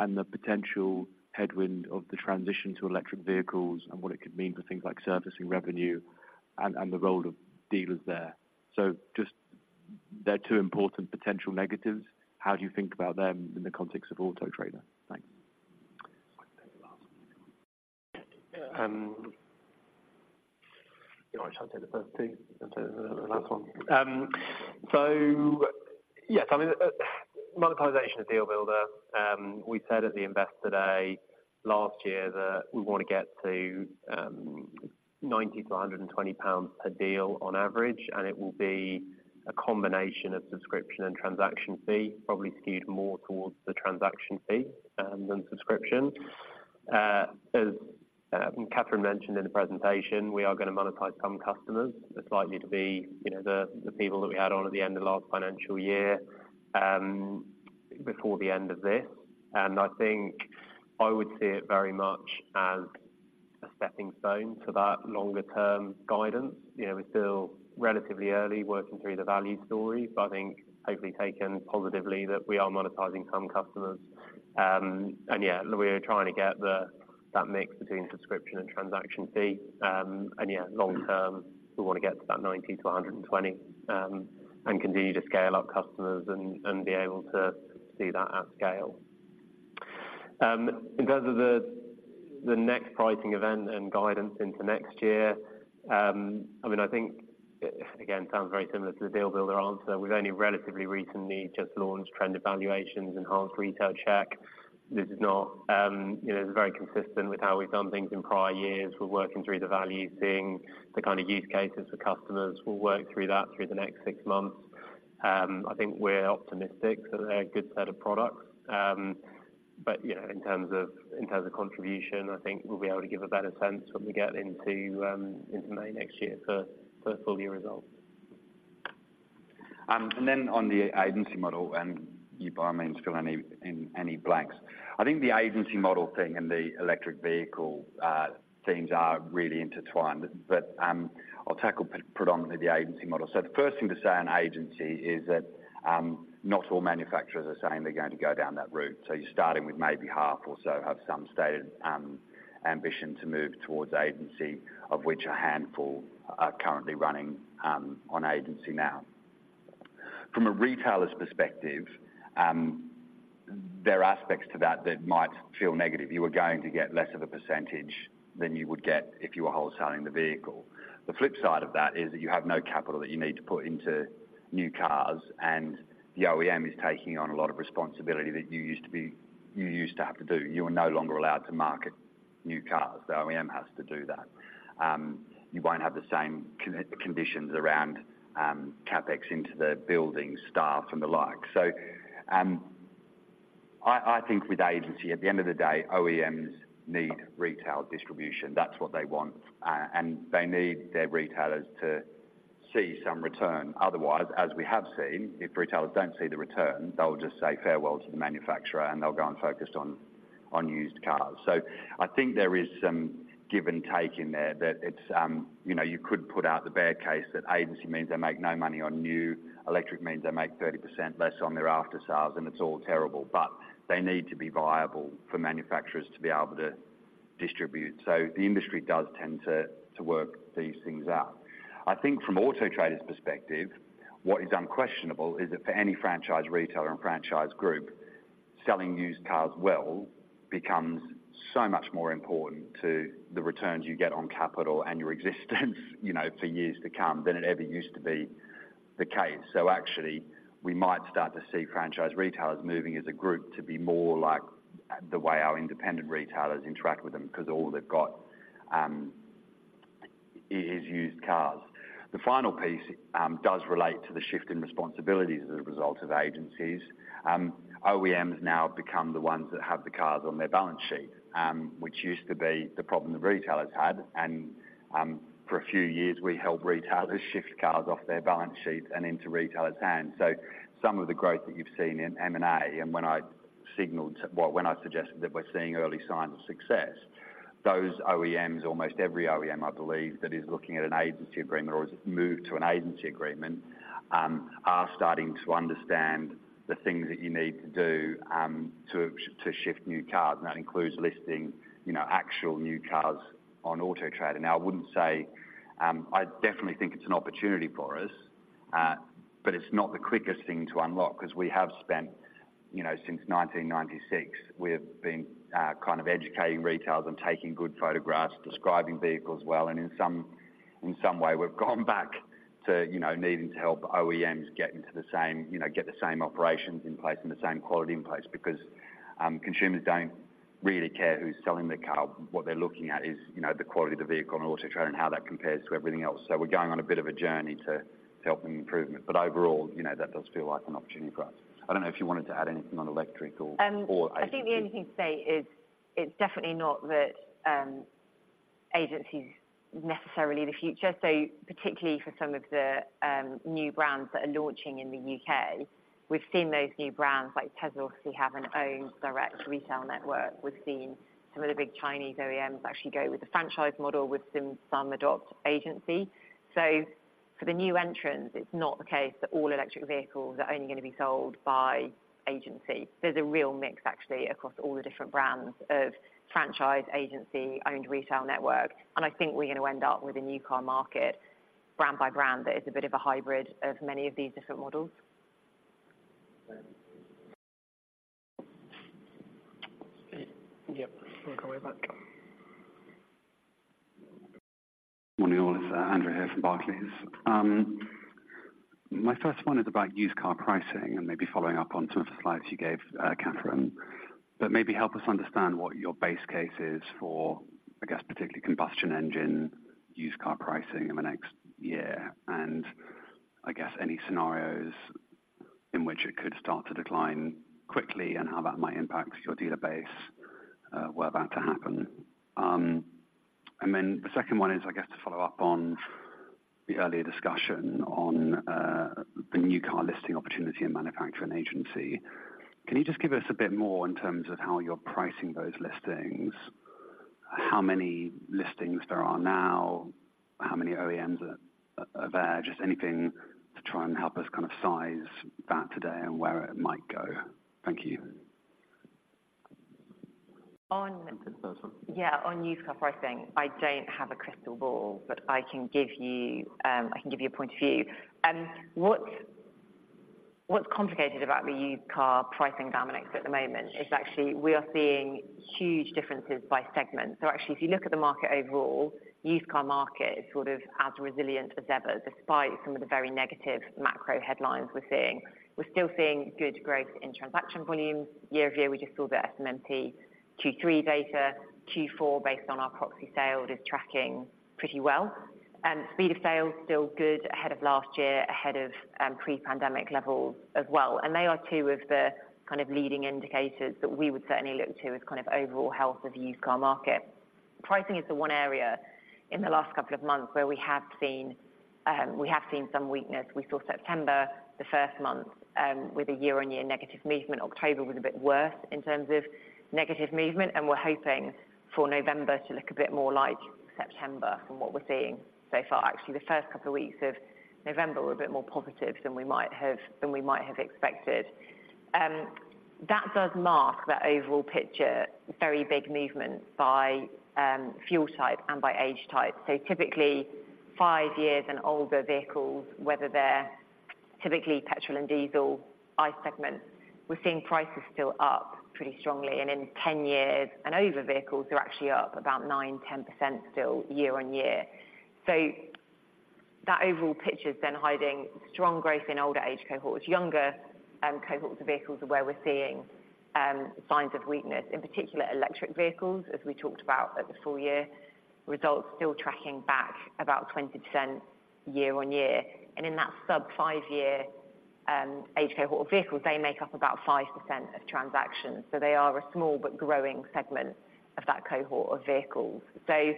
and the potential headwind of the transition to electric vehicles and what it could mean for things like servicing revenue and the role of dealers there. So just, they're two important potential negatives. How do you think about them in the context of Auto Trader? Thanks. You know, I'll try to take the first two and the last one. So yes, I mean, monetization of Deal Builder, we said at the Investor Day last year that we want to get to 90-120 pounds per deal on average, and it will be a combination of subscription and transaction fee, probably skewed more towards the transaction fee than subscription. As Catherine mentioned in the presentation, we are gonna monetize some customers. They're likely to be, you know, the people that we had on at the end of the last financial year before the end of this. And I think I would see it very much as a stepping stone to that longer term guidance. You know, we're still relatively early working through the value story, but I think hopefully taken positively, that we are monetizing some customers. Yeah, we are trying to get that mix between subscription and transaction fee. Yeah, long term, we want to get to that 90-120, and continue to scale up customers and be able to see that at scale. In terms of the next pricing event and guidance into next year, I mean, again, sounds very similar to the Deal Builder answer. We've only relatively recently just launched Trended Valuations, Enhanced Retail Check. This is not... You know, this is very consistent with how we've done things in prior years. We're working through the value, seeing the kind of use cases for customers. We'll work through that through the next six months. I think we're optimistic that they're a good set of products. But, you know, in terms of, in terms of contribution, I think we'll be able to give a better sense when we get into, into May next year for, for full year results. And then on the Agency Model, and you by all means fill any, any blanks. I think the Agency Model thing and the electric vehicle things are really intertwined, but, I'll tackle predominantly the Agency Model. So the first thing to say on agency is that, not all manufacturers are saying they're going to go down that route. So you're starting with maybe half or so, have some stated, ambition to move towards agency, of which a handful are currently running, on agency now. From a retailer's perspective, there are aspects to that that might feel negative. You are going to get less of a percentage than you would get if you were wholesaling the vehicle. The flip side of that is that you have no capital that you need to put into new cars, and the OEM is taking on a lot of responsibility that you used to have to do. You are no longer allowed to market new cars. The OEM has to do that. You won't have the same conditions around CapEx into the building staff and the like. So, I think with agency, at the end of the day, OEMs need retail distribution. That's what they want. And they need their retailers to see some return. Otherwise, as we have seen, if retailers don't see the return, they'll just say farewell to the manufacturer, and they'll go and focus on used cars. So I think there is some give and take in there that it's, you know, you could put out the bear case that agency means they make no money on new. Electric means they make 30% less on their aftersales, and it's all terrible. But they need to be viable for manufacturers to be able to distribute. So the industry does tend to work these things out. I think from Auto Trader's perspective, what is unquestionable is that for any franchise retailer and franchise group, selling used cars well becomes so much more important to the returns you get on capital and your existence you know, for years to come, than it ever used to be the case. So actually, we might start to see franchise retailers moving as a group to be more like the way our independent retailers interact with them, because all they've got is used cars. The final piece does relate to the shift in responsibilities as a result of agencies. OEMs now become the ones that have the cars on their balance sheet, which used to be the problem the retailers had. For a few years, we helped retailers shift cars off their balance sheet and into retailers' hands. So some of the growth that you've seen in M&A, and when I signaled, well, when I suggested that we're seeing early signs of success, those OEMs, almost every OEM I believe, that is looking at an agency agreement or has moved to an agency agreement, are starting to understand the things that you need to do to shift new cars. And that includes listing, you know, actual cars on Auto Trader. Now, I wouldn't say, I definitely think it's an opportunity for us, but it's not the quickest thing to unlock, 'cause we have spent, you know, since 1996, we've been kind of educating retailers on taking good photographs, describing vehicles well, and in some way, we've gone back to, you know, needing to help OEMs get into the same, you know, get the same operations in place, and the same quality in place. Because consumers don't really care who's selling the car. What they're looking at is, you know, the quality of the vehicle on Auto Trader and how that compares to everything else. So we're going on a bit of a journey to help them improve it. But overall, you know, that does feel like an opportunity for us. I don't know if you wanted to add anything on electric or agencies? I think the only thing to say is, it's definitely not that agency's necessarily the future. So particularly for some of the new brands that are launching in the U.K., we've seen those new brands like Tesla, obviously have an own direct retail network. We've seen some of the big Chinese OEMs actually go with the franchise model with some adopt agency. So for the new entrants, it's not the case that all electric vehicles are only gonna be sold by agency. There's a real mix actually across all the different brands of franchise, agency, owned retail network, and I think we're gonna end up with a new car market brand by brand, that is a bit of a hybrid of many of these different models. Yep, welcome, we're back. Morning, all. It's Andrew here from Barclays. My first one is about used car pricing, and maybe following up on some of the slides you gave, Catherine, but maybe help us understand what your base case is for, I guess, particularly combustion engine, used car pricing in the next year, and I guess any scenarios in which it could start to decline quickly, and how that might impact your dealer base, were that to happen? And then the second one is, I guess, to follow up on the earlier discussion on the new car listing opportunity and manufacturing agency. Can you just give us a bit more in terms of how you're pricing those listings? How many listings there are now? How many OEMs are there? Just anything to try and help us kind of size that today and where it might go. Thank you. On- You want to take that one? Yeah, on used car pricing, I don't have a crystal ball, but I can give you, I can give you a point of view. What's complicated about the used car pricing dynamics at the moment is actually we are seeing huge differences by segment. So actually, if you look at the market overall, used car market is sort of as resilient as ever, despite some of the very negative macro headlines we're seeing. We're still seeing good growth in transaction volumes year-over-year. We just saw the SMMT Q3 data, Q4 based on our proxy sales is tracking pretty well. Speed of sales still good ahead of last year, ahead of pre-pandemic levels as well. They are two of the kind of leading indicators that we would certainly look to as kind of overall health of the used car market. Pricing is the one area in the last couple of months where we have seen, we have seen some weakness. We saw September, the first month, with a year-on-year negative movement. October was a bit worse in terms of negative movement, and we're hoping for November to look a bit more like September from what we're seeing so far. Actually, the first couple of weeks of November were a bit more positive than we might have, than we might have expected. That does mark that overall picture, very big movement by, fuel type and by age type. So typically, five years and older vehicles, whether they're typically petrol and diesel ICE segments, we're seeing prices still up pretty strongly, and in ten years, and older vehicles are actually up about 9%-10% still year-on-year. So that overall picture is then hiding strong growth in older age cohorts, younger cohorts of vehicles where we're seeing signs of weakness. In particular, electric vehicles, as we talked about at the full-year results, still tracking back about 20% year-on-year. And in that sub-5-year age cohort of vehicles, they make up about 5% of transactions. So they are a small but growing segment of that cohort of vehicles. So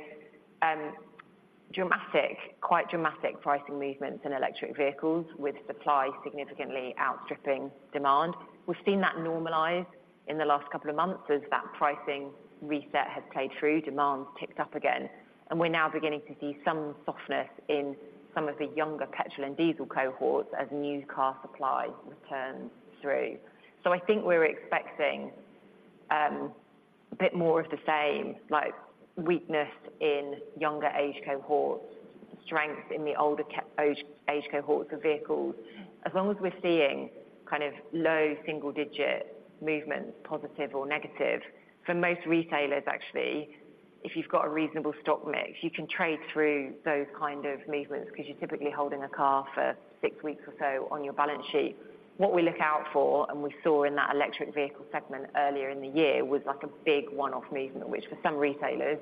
dramatic, quite dramatic pricing movements in electric vehicles with supply significantly outstripping demand. We've seen that normalize in the last couple of months as that pricing reset has played through, demand's ticked up again, and we're now beginning to see some softness in some of the younger petrol and diesel cohorts as new car supply returns through. So I think we're expecting a bit more of the same, like weakness in younger age cohorts, strength in the older age cohorts of vehicles. As long as we're seeing kind of low single digit movements, positive or negative, for most retailers actually, if you've got a reasonable stock mix, you can trade through those kind of movements, because you're typically holding a car for six weeks or so on your balance sheet. What we look out for, and we saw in that electric vehicle segment earlier in the year, was like a big one-off movement, which for some retailers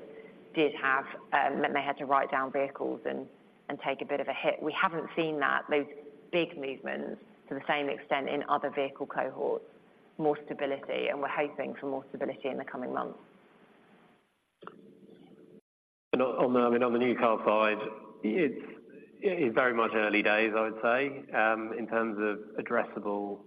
did have meant they had to write down vehicles and take a bit of a hit. We haven't seen that, those big movements to the same extent in other vehicle cohorts. More stability, and we're hoping for more stability in the coming months. And on the, I mean, on the new car side, it's very much early days, I would say. In terms of addressable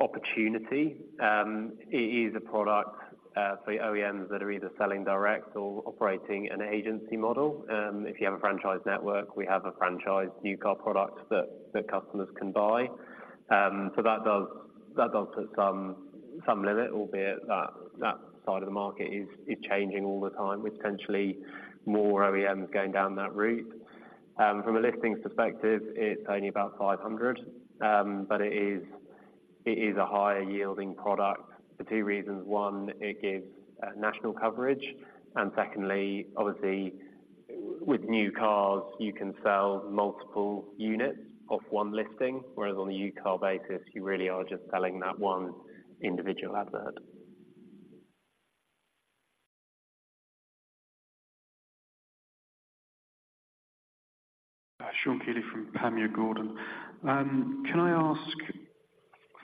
opportunity, it is a product for OEMs that are either selling direct or operating an agency model. If you have a franchise network, we have a franchise new car product that customers can buy. So that does...... That does put some, some limit, albeit that, that side of the market is, is changing all the time, with potentially more OEMs going down that route. From a listing perspective, it's only about 500. But it is, it is a higher yielding product for two reasons: One, it gives national coverage, and secondly, obviously, with new cars, you can sell multiple units off one listing. Whereas on the used car basis, you really are just selling that one individual advert. Sean Kealy from Panmure Gordon. Can I ask,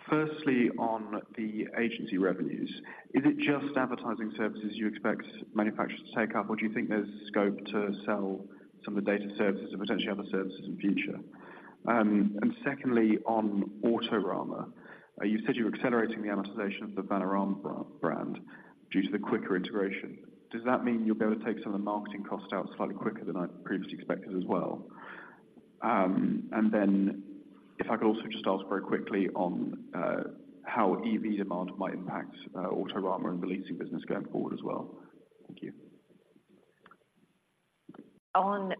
firstly, on the agency revenues, is it just advertising services you expect manufacturers to take up, or do you think there's scope to sell some of the data services and potentially other services in future? And secondly, on Autorama, you said you were accelerating the amortization of the Vanarama brand due to the quicker integration. Does that mean you'll be able to take some of the marketing costs out slightly quicker than I previously expected as well? And then if I could also just ask very quickly on how EV demand might impact Autorama and the leasing business going forward as well. Thank you. On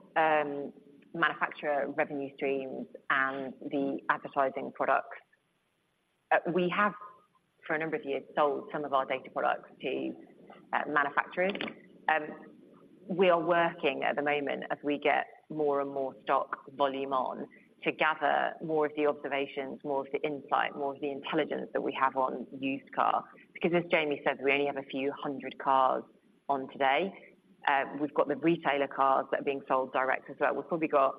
manufacturer revenue streams and the advertising products, we have for a number of years sold some of our data products to manufacturers. We are working at the moment as we get more and more stock volume on, to gather more of the observations, more of the insight, more of the intelligence that we have on used cars. Because as Jamie said, we only have a few hundred cars on today. We've got the retailer cars that are being sold direct as well. We've probably got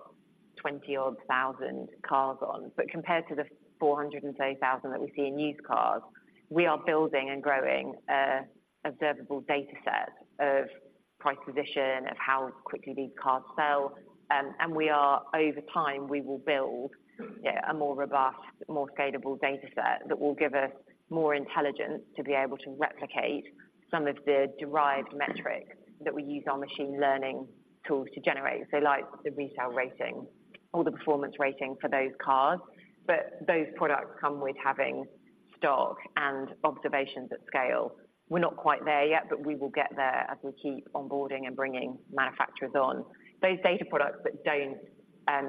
20-odd thousand cars on, but compared to the 430,000 that we see in used cars, we are building and growing a observable data set of price position, of how quickly these cars sell. Over time, we will build, yeah, a more robust, more scalable data set that will give us more intelligence to be able to replicate some of the derived metrics that we use our machine learning tools to generate. So, like the Retail Rating or the performance rating for those cars. But those products come with having stock and observations at scale. We're not quite there yet, but we will get there as we keep onboarding and bringing manufacturers on. Those data products that don't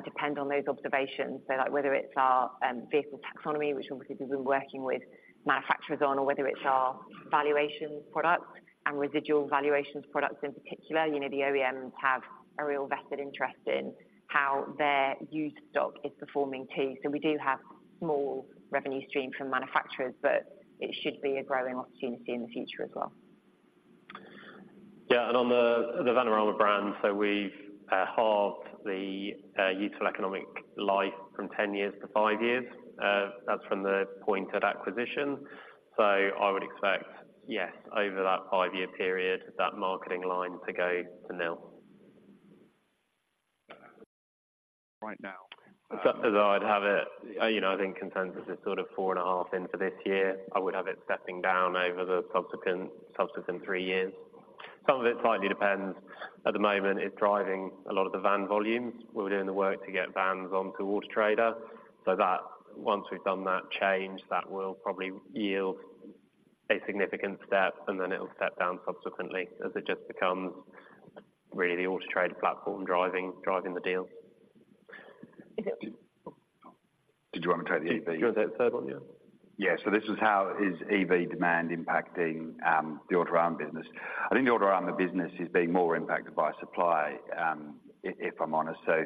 depend on those observations, so like, whether it's our vehicle taxonomy, which obviously we've been working with manufacturers on, or whether it's our valuation products and residual valuations products in particular, you know, the OEMs have a real vested interest in how their used stock is performing too. We do have small revenue stream from manufacturers, but it should be a growing opportunity in the future as well. Yeah, and on the Vanarama brand, so we've halved the useful economic life from 10 years to 5 years. That's from the point of acquisition. So I would expect, yes, over that 5-year period, that marketing line to go to nil. Right now. As I'd have it, you know, I think consensus is sort of 4.5 in for this year. I would have it stepping down over the subsequent three years. Some of it slightly depends. At the moment, it's driving a lot of the van volumes. We're doing the work to get vans onto Auto Trader, so that once we've done that change, that will probably yield a significant step, and then it'll step down subsequently as it just becomes really the Auto Trader platform driving the deal. Is it- Did you want me to take the EV? Do you want to take the third one, yeah? Yeah. So this is how is EV demand impacting the Autorama business. I think the Autorama business is being more impacted by supply, if I'm honest. So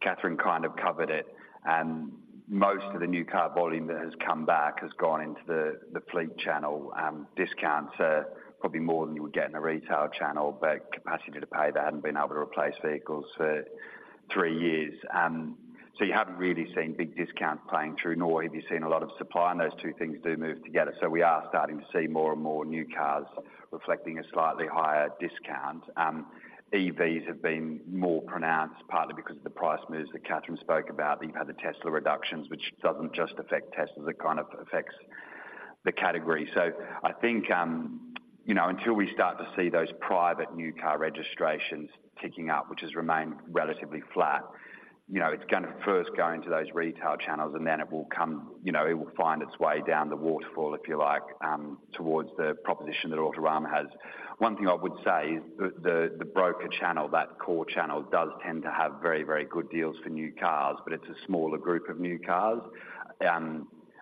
Catherine kind of covered it. Most of the new car volume that has come back has gone into the fleet channel, discounts at probably more than you would get in a retail channel. But capacity to pay that hadn't been able to replace vehicles for three years. So you haven't really seen big discounts playing through, nor have you seen a lot of supply, and those two things do move together. So we are starting to see more and more new cars reflecting a slightly higher discount. EVs have been more pronounced, partly because of the price moves that Catherine spoke about. You've had the Tesla reductions, which doesn't just affect Tesla, it kind of affects the category. So I think, you know, until we start to see those private new car registrations ticking up, which has remained relatively flat, you know, it's gonna first go into those retail channels, and then it will come, you know, it will find its way down the waterfall, if you like, towards the proposition that Autorama has. One thing I would say is the broker channel, that core channel, does tend to have very, very good deals for new cars, but it's a smaller group of new cars.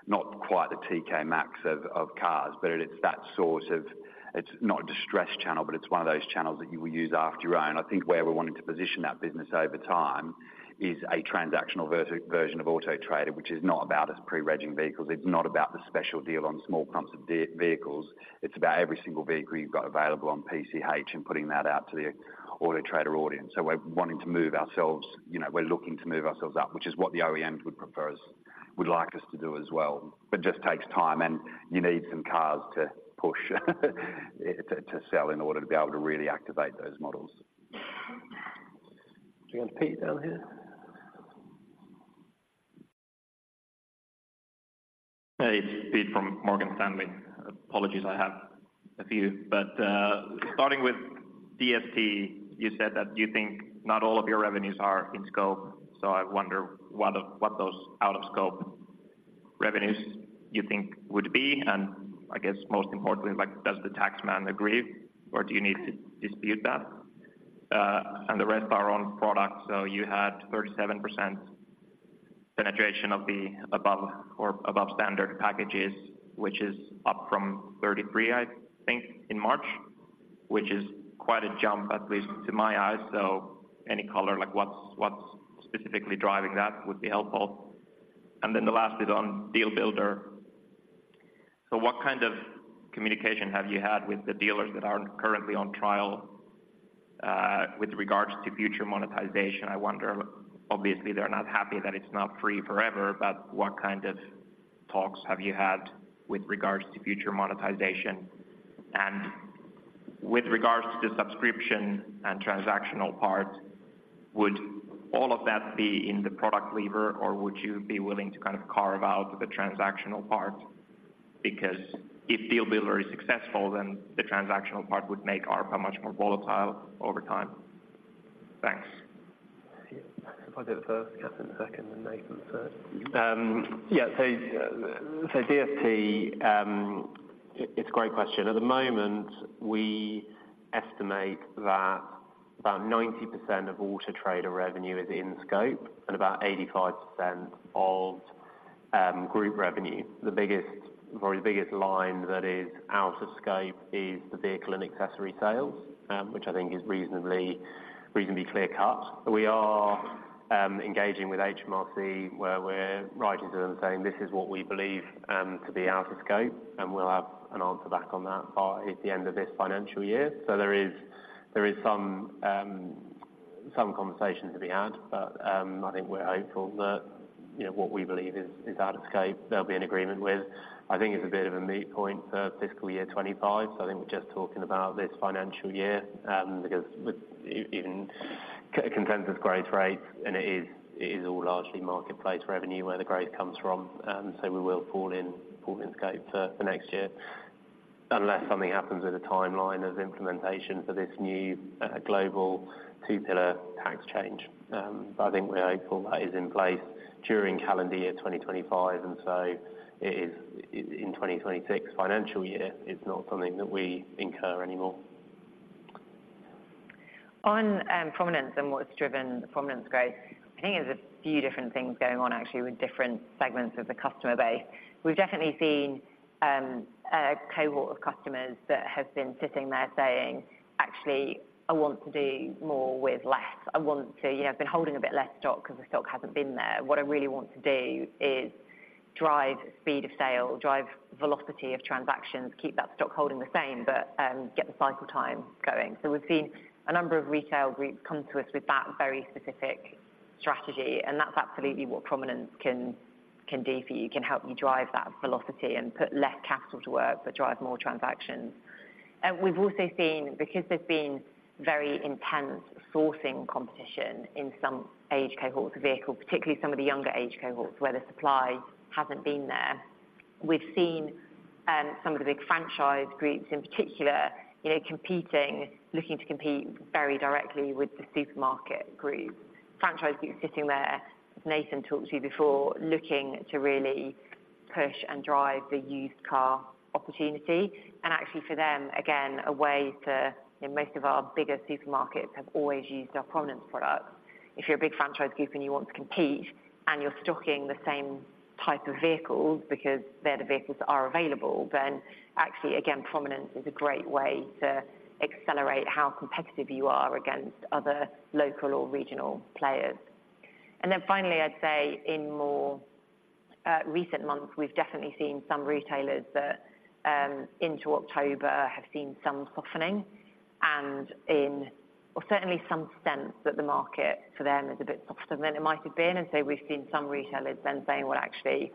Not quite the TK Maxx of cars, but it's that source of... It's not a distressed channel, but it's one of those channels that you will use after you own. I think where we're wanting to position that business over time is a transactional version of Auto Trader, which is not about us pre-regging vehicles. It's not about the special deal on small clumps of vehicles. It's about every single vehicle you've got available on PCH and putting that out to the Auto Trader audience. So we're wanting to move ourselves, you know, we're looking to move ourselves up, which is what the OEM would prefer us, would like us to do as well. But it just takes time, and you need some cars to push to sell in order to be able to really activate those models. Do you want Pete down here? Hey, it's Pete from Morgan Stanley. Apologies, I have a few. But starting with DST, you said that you think not all of your revenues are in scope, so I wonder what of what those out of scope revenues you think would be? And I guess most importantly, like, does the tax man agree, or do you need to dispute that? And the rest of our own products, so you had 37% penetration of the above or above standard packages, which is up from 33%, I think, in March. Which is quite a jump, at least to my eyes. So any color, like what's specifically driving that would be helpful. And then the last is on Deal Builder. So what kind of communication have you had with the dealers that are currently on trial with regards to future monetization? I wonder, obviously, they're not happy that it's not free forever, but what kind of talks have you had with regards to future monetization? And with regards to the subscription and transactional part, would all of that be in the product lever, or would you be willing to kind of carve out the transactional part? Because if Deal Builder is successful, then the transactional part would make ARPA much more volatile over time. Thanks. If I do it first, Catherine second, and Nathan third. Yeah. So, DST, it's a great question. At the moment, we estimate that about 90% of Auto Trader revenue is in scope and about 85% of group revenue. The biggest, probably the biggest line that is out of scope is the vehicle and accessory sales, which I think is reasonably, reasonably clear cut. We are engaging with HMRC, where we're writing to them saying, "This is what we believe to be out of scope," and we'll have an answer back on that by the end of this financial year. So there is some conversation to be had. But, I think we're hopeful that, you know, what we believe is out of scope, there'll be an agreement with. I think it's a bit of a meet point for fiscal year 25. So I think we're just talking about this financial year, because with even consensus growth rates, and it is, it is all largely marketplace revenue where the growth comes from. So we will fall in, fall in scope for, for next year, unless something happens with the timeline of implementation for this new, global two-pillar tax change. But I think we're hopeful that is in place during calendar year 2025, and so it is, in 2026 financial year, it's not something that we incur anymore. On Prominence and what's driven the Prominence growth, I think there's a few different things going on actually with different segments of the customer base. We've definitely seen a cohort of customers that have been sitting there saying, "Actually, I want to do more with less. I want to..." You know, have been holding a bit less stock because the stock hasn't been there. What I really want to do is drive speed of sale, drive velocity of transactions, keep that stock holding the same, but get the cycle time going. So we've seen a number of retail groups come to us with that very specific strategy, and that's absolutely what Prominence can, can do for you, can help you drive that velocity and put less capital to work, but drive more transactions. And we've also seen, because there's been very intense sourcing competition in some age cohorts of vehicles, particularly some of the younger age cohorts, where the supply hasn't been there. We've seen some of the big franchise groups in particular, you know, competing, looking to compete very directly with the supermarket group. Franchise groups sitting there, as Nathan talked to you before, looking to really push and drive the used car opportunity. And actually for them, again, a way to, you know, most of our bigger supermarkets have always used our Prominence product. If you're a big franchise group and you want to compete, and you're stocking the same type of vehicles because they're the vehicles that are available, then actually, again, Prominence is a great way to accelerate how competitive you are against other local or regional players. And then finally, I'd say in more recent months, we've definitely seen some retailers that, into October, have seen some softening, and certainly some sense that the market for them is a bit softer than it might have been. And so we've seen some retailers then saying, "Well, actually,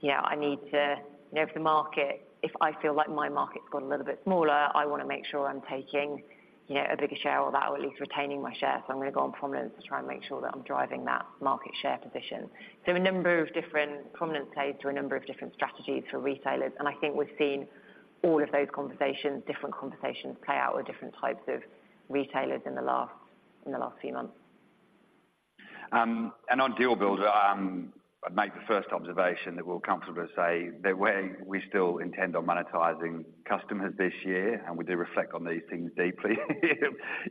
you know, I need to, you know, if the market, if I feel like my market's got a little bit smaller, I want to make sure I'm taking, you know, a bigger share of that, or at least retaining my share. So I'm going to go on Prominence to try and make sure that I'm driving that market share position." So a number of different Prominence plays to a number of different strategies for retailers, and I think we've seen all of those conversations, different conversations play out with different types of retailers in the last few months. And on Deal Builder, I'd make the first observation that we're comfortable to say that we're, we still intend on monetizing customers this year, and we do reflect on these things deeply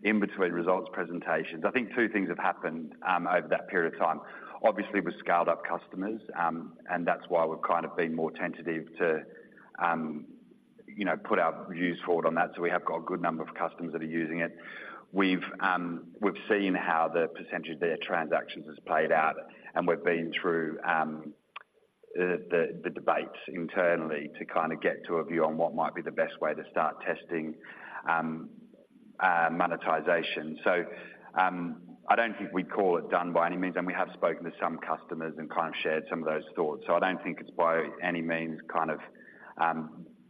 in between results presentations. I think two things have happened over that period of time. Obviously, we scaled up customers, and that's why we've kind of been more tentative to, you know, put our views forward on that, so we have got a good number of customers that are using it. We've seen how the percentage of their transactions has played out, and we've been through the debates internally to kind of get to a view on what might be the best way to start testing monetization. So, I don't think we'd call it done by any means, and we have spoken to some customers and kind of shared some of those thoughts. So I don't think it's by any means kind of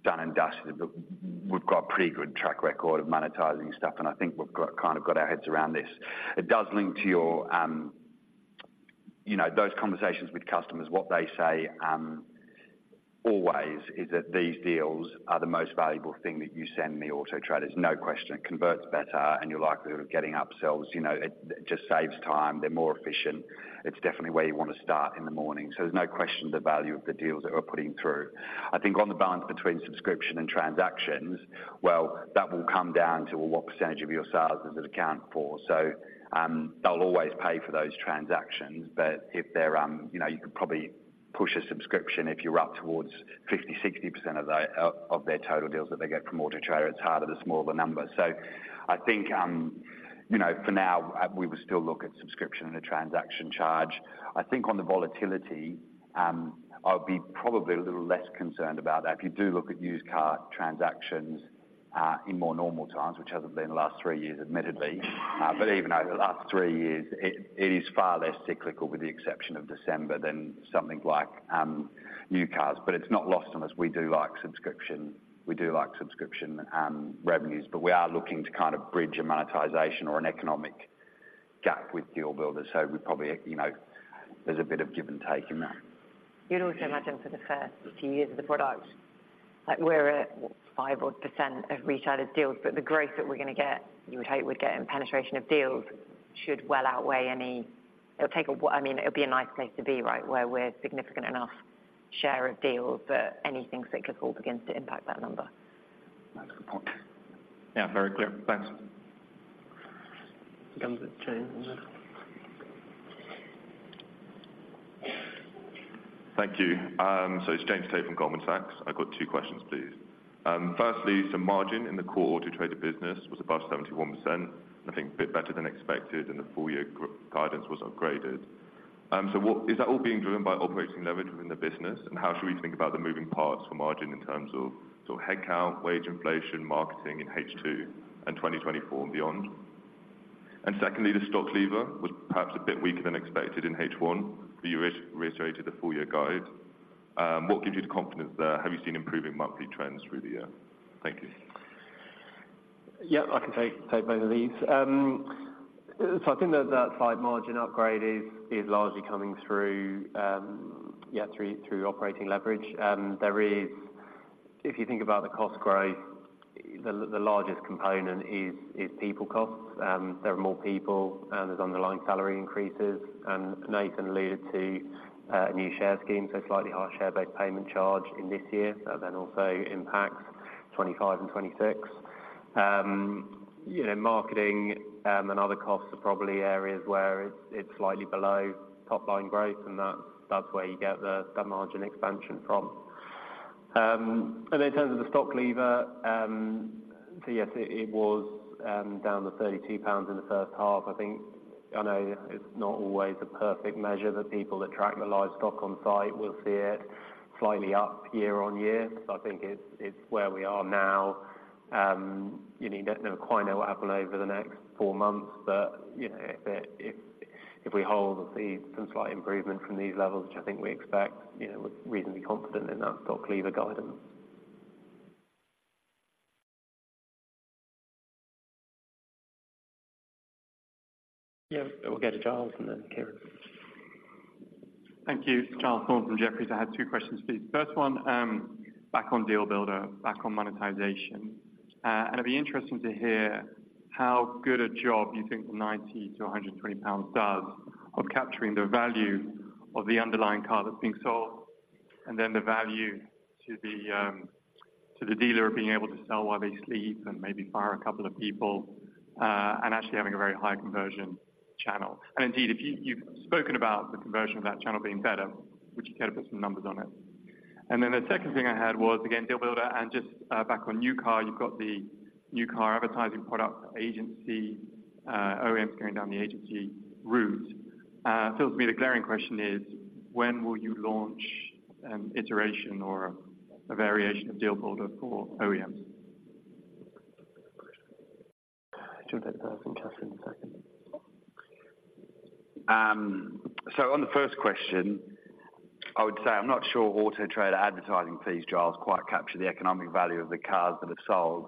done and dusted, but we've got a pretty good track record of monetizing stuff, and I think we've got, kind of got our heads around this. It does link to your,... you know, those conversations with customers, what they say, always is that these deals are the most valuable thing that you send me, Auto Trader. No question. It converts better, and you're likely of getting upsells, you know, it, it just saves time. They're more efficient. It's definitely where you want to start in the morning. So there's no question the value of the deals that we're putting through. I think on the balance between subscription and transactions, well, that will come down to what percentage of your sales does it account for? So, they'll always pay for those transactions, but if they're, you know, you could probably push a subscription if you're up towards 50, 60% of the, of their total deals that they get from Auto Trader. It's harder, the smaller the number. So I think, you know, for now, we would still look at subscription and a transaction charge. I think on the volatility, I would be probably a little less concerned about that. If you do look at used car transactions, in more normal times, which hasn't been the last three years, admittedly, but even over the last three years, it is far less cyclical, with the exception of December, than something like, new cars. But it's not lost on us. We do like subscription. We do like subscription revenues, but we are looking to kind of bridge a monetization or an economic gap with Deal Builder. So we probably, you know, there's a bit of give and take in that. You'd also imagine for the first few years of the product, like we're at what, 5 odd % of retailer deals, but the growth that we're gonna get, you would hope we're getting penetration of deals, should well outweigh any... It'll take I mean, it'll be a nice place to be, right? Where we're significant enough share of deals that anything cyclical begins to impact that number. That's a good point. Yeah, very clear. Thanks. James, go ahead. Thank you. So it's James Tay from Goldman Sachs. I've got two questions, please. Firstly, so margin in the core Auto Trader business was above 71%, I think a bit better than expected, and the full year guidance was upgraded. So what is that all being driven by operating leverage within the business? And how should we think about the moving parts for margin in terms of, so headcount, wage inflation, marketing in H2 and 2024 and beyond? And secondly, the stock lever was perhaps a bit weaker than expected in H1, but you reiterated the full year guide. What gives you the confidence there? Have you seen improving monthly trends through the year? Thank you. Yeah, I can take both of these. So I think that slight margin upgrade is largely coming through operating leverage. There is... If you think about the cost growth, the largest component is people costs. There are more people, and there's underlying salary increases, and Nathan alluded to a new share scheme, so slightly higher share-based payment charge in this year, so that then also impacts 2025 and 2026. You know, marketing and other costs are probably areas where it's slightly below top-line growth, and that's where you get the margin expansion from. And in terms of the stock lever, so yes, it was down to 32 pounds in the first half. I think, I know it's not always a perfect measure. The people that track the live stock on site will see it slightly up year-on-year. So I think it's where we are now. You know, you never quite know what will happen over the next four months. But, you know, if we hold, we'll see some slight improvement from these levels, which I think we expect, you know, we're reasonably confident in that Stock Lever guidance. Yeah. We'll go to Giles and then Ciarán. Thank you. Giles Thorne from Jefferies. I had two questions, please. First one, back on Deal Builder, back on monetization. And it'd be interesting to hear how good a job you think the 90-120 pounds does of capturing the value of the underlying car that's being sold, and then the value to the to the dealer of being able to sell while they sleep and maybe fire a couple of people, and actually having a very high conversion channel. And indeed, if you, you've spoken about the conversion of that channel being better, would you care to put some numbers on it? And then the second thing I had was, again, Deal Builder and just, back on new car. You've got the new car advertising product agency, OEMs going down the agency route. To me, the glaring question is: When will you launch an iteration or a variation of Deal Builder for OEMs? Do you want to take that one, Catherine, second? So on the first question, I would say I'm not sure Auto Trader advertising fees, Giles, quite capture the economic value of the cars that have sold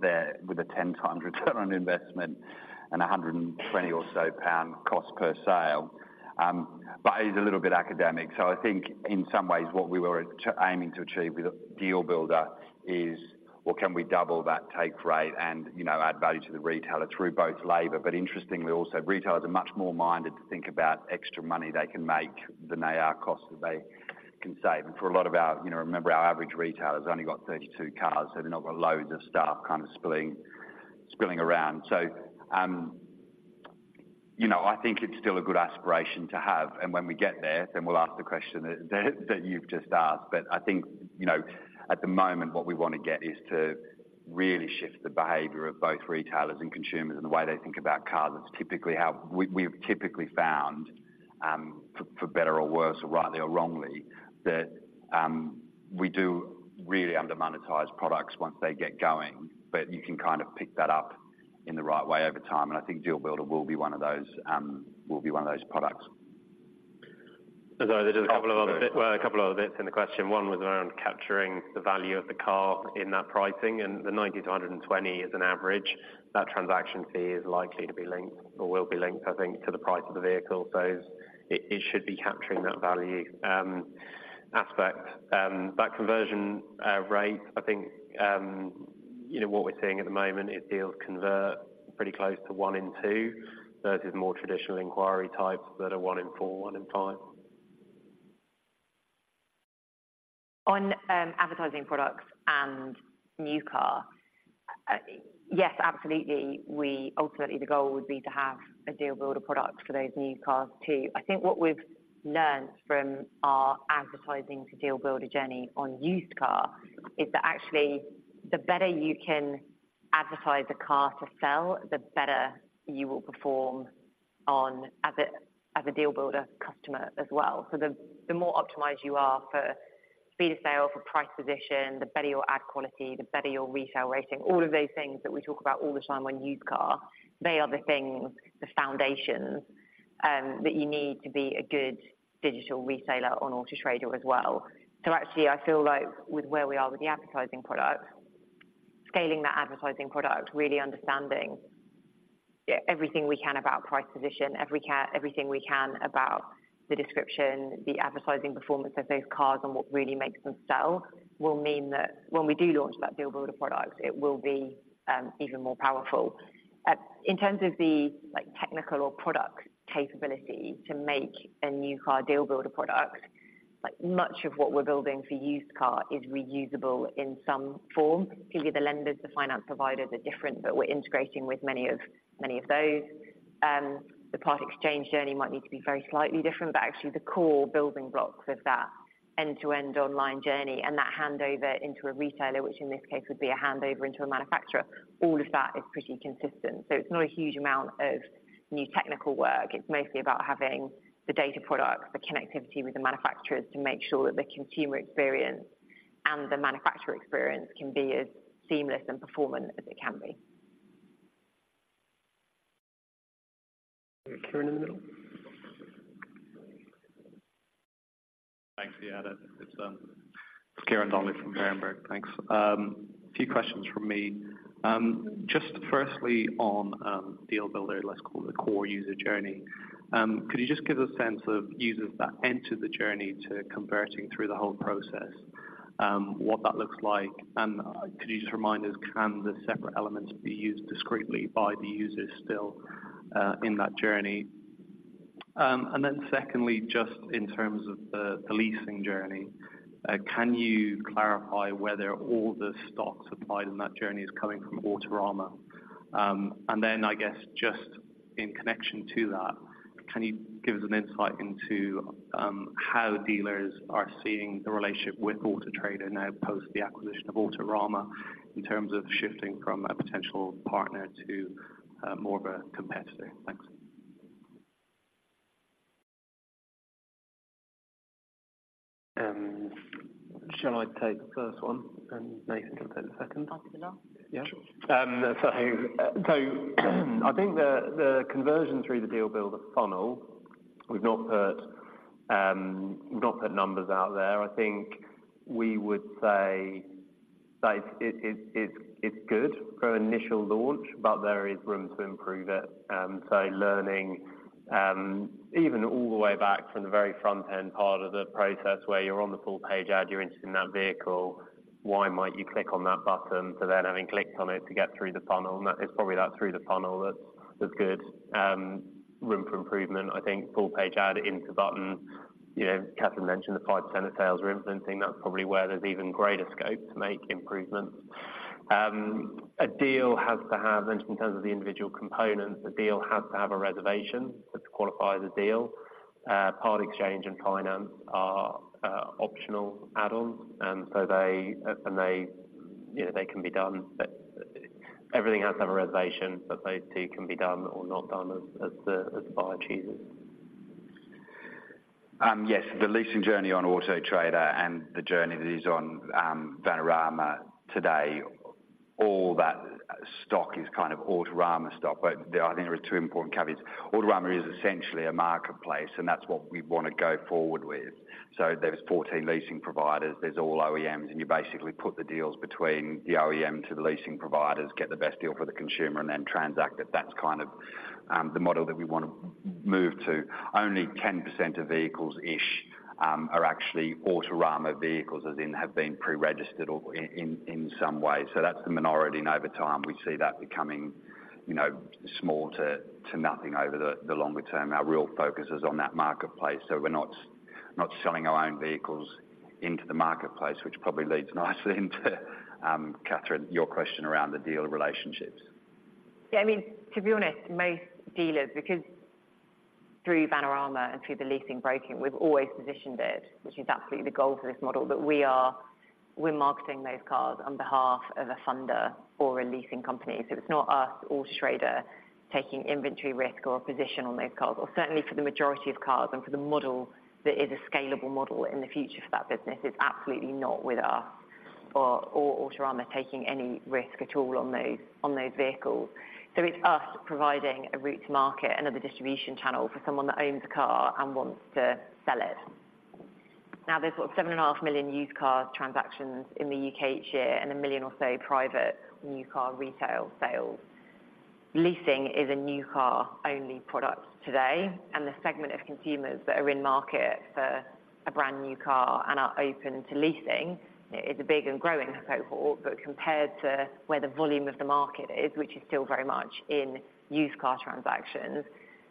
there with a 10 times return on investment and a 120 or so pound cost per sale. But it is a little bit academic, so I think in some ways what we were aiming to achieve with Deal Builder is, well, can we double that take rate and, you know, add value to the retailer through both labor? But interestingly also, retailers are much more minded to think about extra money they can make than they are costs that they can save. And for a lot of our, you know, remember, our average retailer's only got 32 cars, so they've not got loads of staff kind of spilling around. So, you know, I think it's still a good aspiration to have, and when we get there, then we'll ask the question that, that you've just asked. But I think, you know, at the moment, what we want to get is to really shift the behavior of both retailers and consumers and the way they think about cars. That's typically how we, we've typically found, for, for better or worse, or rightly or wrongly, that, we do really under-monetize products once they get going, but you can kind of pick that up in the right way over time, and I think Deal Builder will be one of those, will be one of those products. ... So there's a couple of other bit, well, a couple of other bits in the question. One was around capturing the value of the car in that pricing, and the 90-120 is an average. That transaction fee is likely to be linked or will be linked, I think, to the price of the vehicle. So it, it should be capturing that value aspect. That conversion rate, I think, you know, what we're seeing at the moment is deals convert pretty close to 1 in 2, versus more traditional inquiry types that are 1 in 4, 1 in 5. On advertising products and new car, yes, absolutely. We ultimately, the goal would be to have a Deal Builder product for those new cars, too. I think what we've learned from our advertising to Deal Builder journey on used car, is that actually, the better you can advertise a car to sell, the better you will perform on as a, as a Deal Builder customer as well. So the, the more optimized you are for speed of sale, for price position, the better your ad quality, the better your Retail Rating. All of those things that we talk about all the time on used car, they are the things, the foundations, that you need to be a good digital reseller on Auto Trader as well. So actually, I feel like with where we are with the advertising product, scaling that advertising product, really understanding, yeah, everything we can about price position, everything we can about the description, the advertising performance of those cars and what really makes them sell, will mean that when we do launch that Deal Builder product, it will be even more powerful. In terms of the, like, technical or product capability to make a new car Deal Builder product, like, much of what we're building for used car is reusable in some form. Clearly, the lenders, the finance providers are different, but we're integrating with many of, many of those. The part exchange journey might need to be very slightly different, but actually the core building blocks of that end-to-end online journey and that handover into a retailer, which in this case would be a handover into a manufacturer, all of that is pretty consistent. So it's not a huge amount of new technical work. It's mostly about having the data product, the connectivity with the manufacturers to make sure that the consumer experience and the manufacturer experience can be as seamless and performant as it can be. Ciarán in the middle. Thanks, yeah, it's Ciarán Donnelly from Berenberg. Thanks. A few questions from me. Just firstly, on Deal Builder, let's call it the core user journey. Could you just give us a sense of users that enter the journey to converting through the whole process, what that looks like? And could you just remind us, can the separate elements be used discreetly by the users still, in that journey? And then secondly, just in terms of the leasing journey, can you clarify whether all the stock supplied in that journey is coming from Autorama? And then, I guess, just in connection to that, can you give us an insight into how dealers are seeing the relationship with Auto Trader now, post the acquisition of Autorama, in terms of shifting from a potential partner to more of a competitor? Thanks. Shall I take the first one, and Nathan can take the second? I'll take them all. Yeah. Sure. So I think the conversion through the Deal Builder funnel, we've not put numbers out there. I think we would say that it's good for an initial launch, but there is room to improve it. So learning even all the way back from the very front end part of the process, where you're on the full page ad, you're interested in that vehicle, why might you click on that button? To then having clicked on it to get through the funnel, and that's probably that through the funnel that's good. Room for improvement, I think full page ad into button, you know, Catherine mentioned the 5% of sales we're implementing. That's probably where there's even greater scope to make improvements. A deal has to have, in terms of the individual components, a deal has to have a reservation to qualify as a deal. Part exchange and finance are optional add-ons, and so they, and they, you know, they can be done, but everything has to have a reservation, but those two can be done or not done as the, as the buyer chooses. Yes, the leasing journey on Auto Trader and the journey that is on Vanarama today, all that stock is kind of Autorama stock, but there I think there are two important caveats. Autorama is essentially a marketplace, and that's what we want to go forward with. So there's 14 leasing providers, there's all OEMs, and you basically put the deals between the OEM to the leasing providers, get the best deal for the consumer, and then transact it. That's kind of the model that we want to move to. Only 10% of vehicles-ish are actually Autorama vehicles, as in have been pre-registered or in some way. So that's the minority, and over time, we see that becoming, you know, small to nothing over the longer term. Our real focus is on that marketplace, so we're not selling our own vehicles into the marketplace, which probably leads nicely into, Catherine, your question around the dealer relationships. Yeah, I mean, to be honest, most dealers, because through Vanarama and through the leasing broking, we've always positioned it, which is absolutely the goal for this model, that we are, we're marketing those cars on behalf of a funder or a leasing company. So it's not us, Auto Trader, taking inventory risk or position on those cars, or certainly for the majority of cars and for the model that is a scalable model in the future for that business, is absolutely not with us or, or Autorama taking any risk at all on those, on those vehicles. So it's us providing a route to market, another distribution channel for someone that owns a car and wants to sell it. Now there's sort of 7.5 million used car transactions in the U.K. each year, and 1 million or so private new car retail sales. Leasing is a new car-only product today, and the segment of consumers that are in market for a brand new car and are open to leasing is a big and growing cohort. But compared to where the volume of the market is, which is still very much in used car transactions,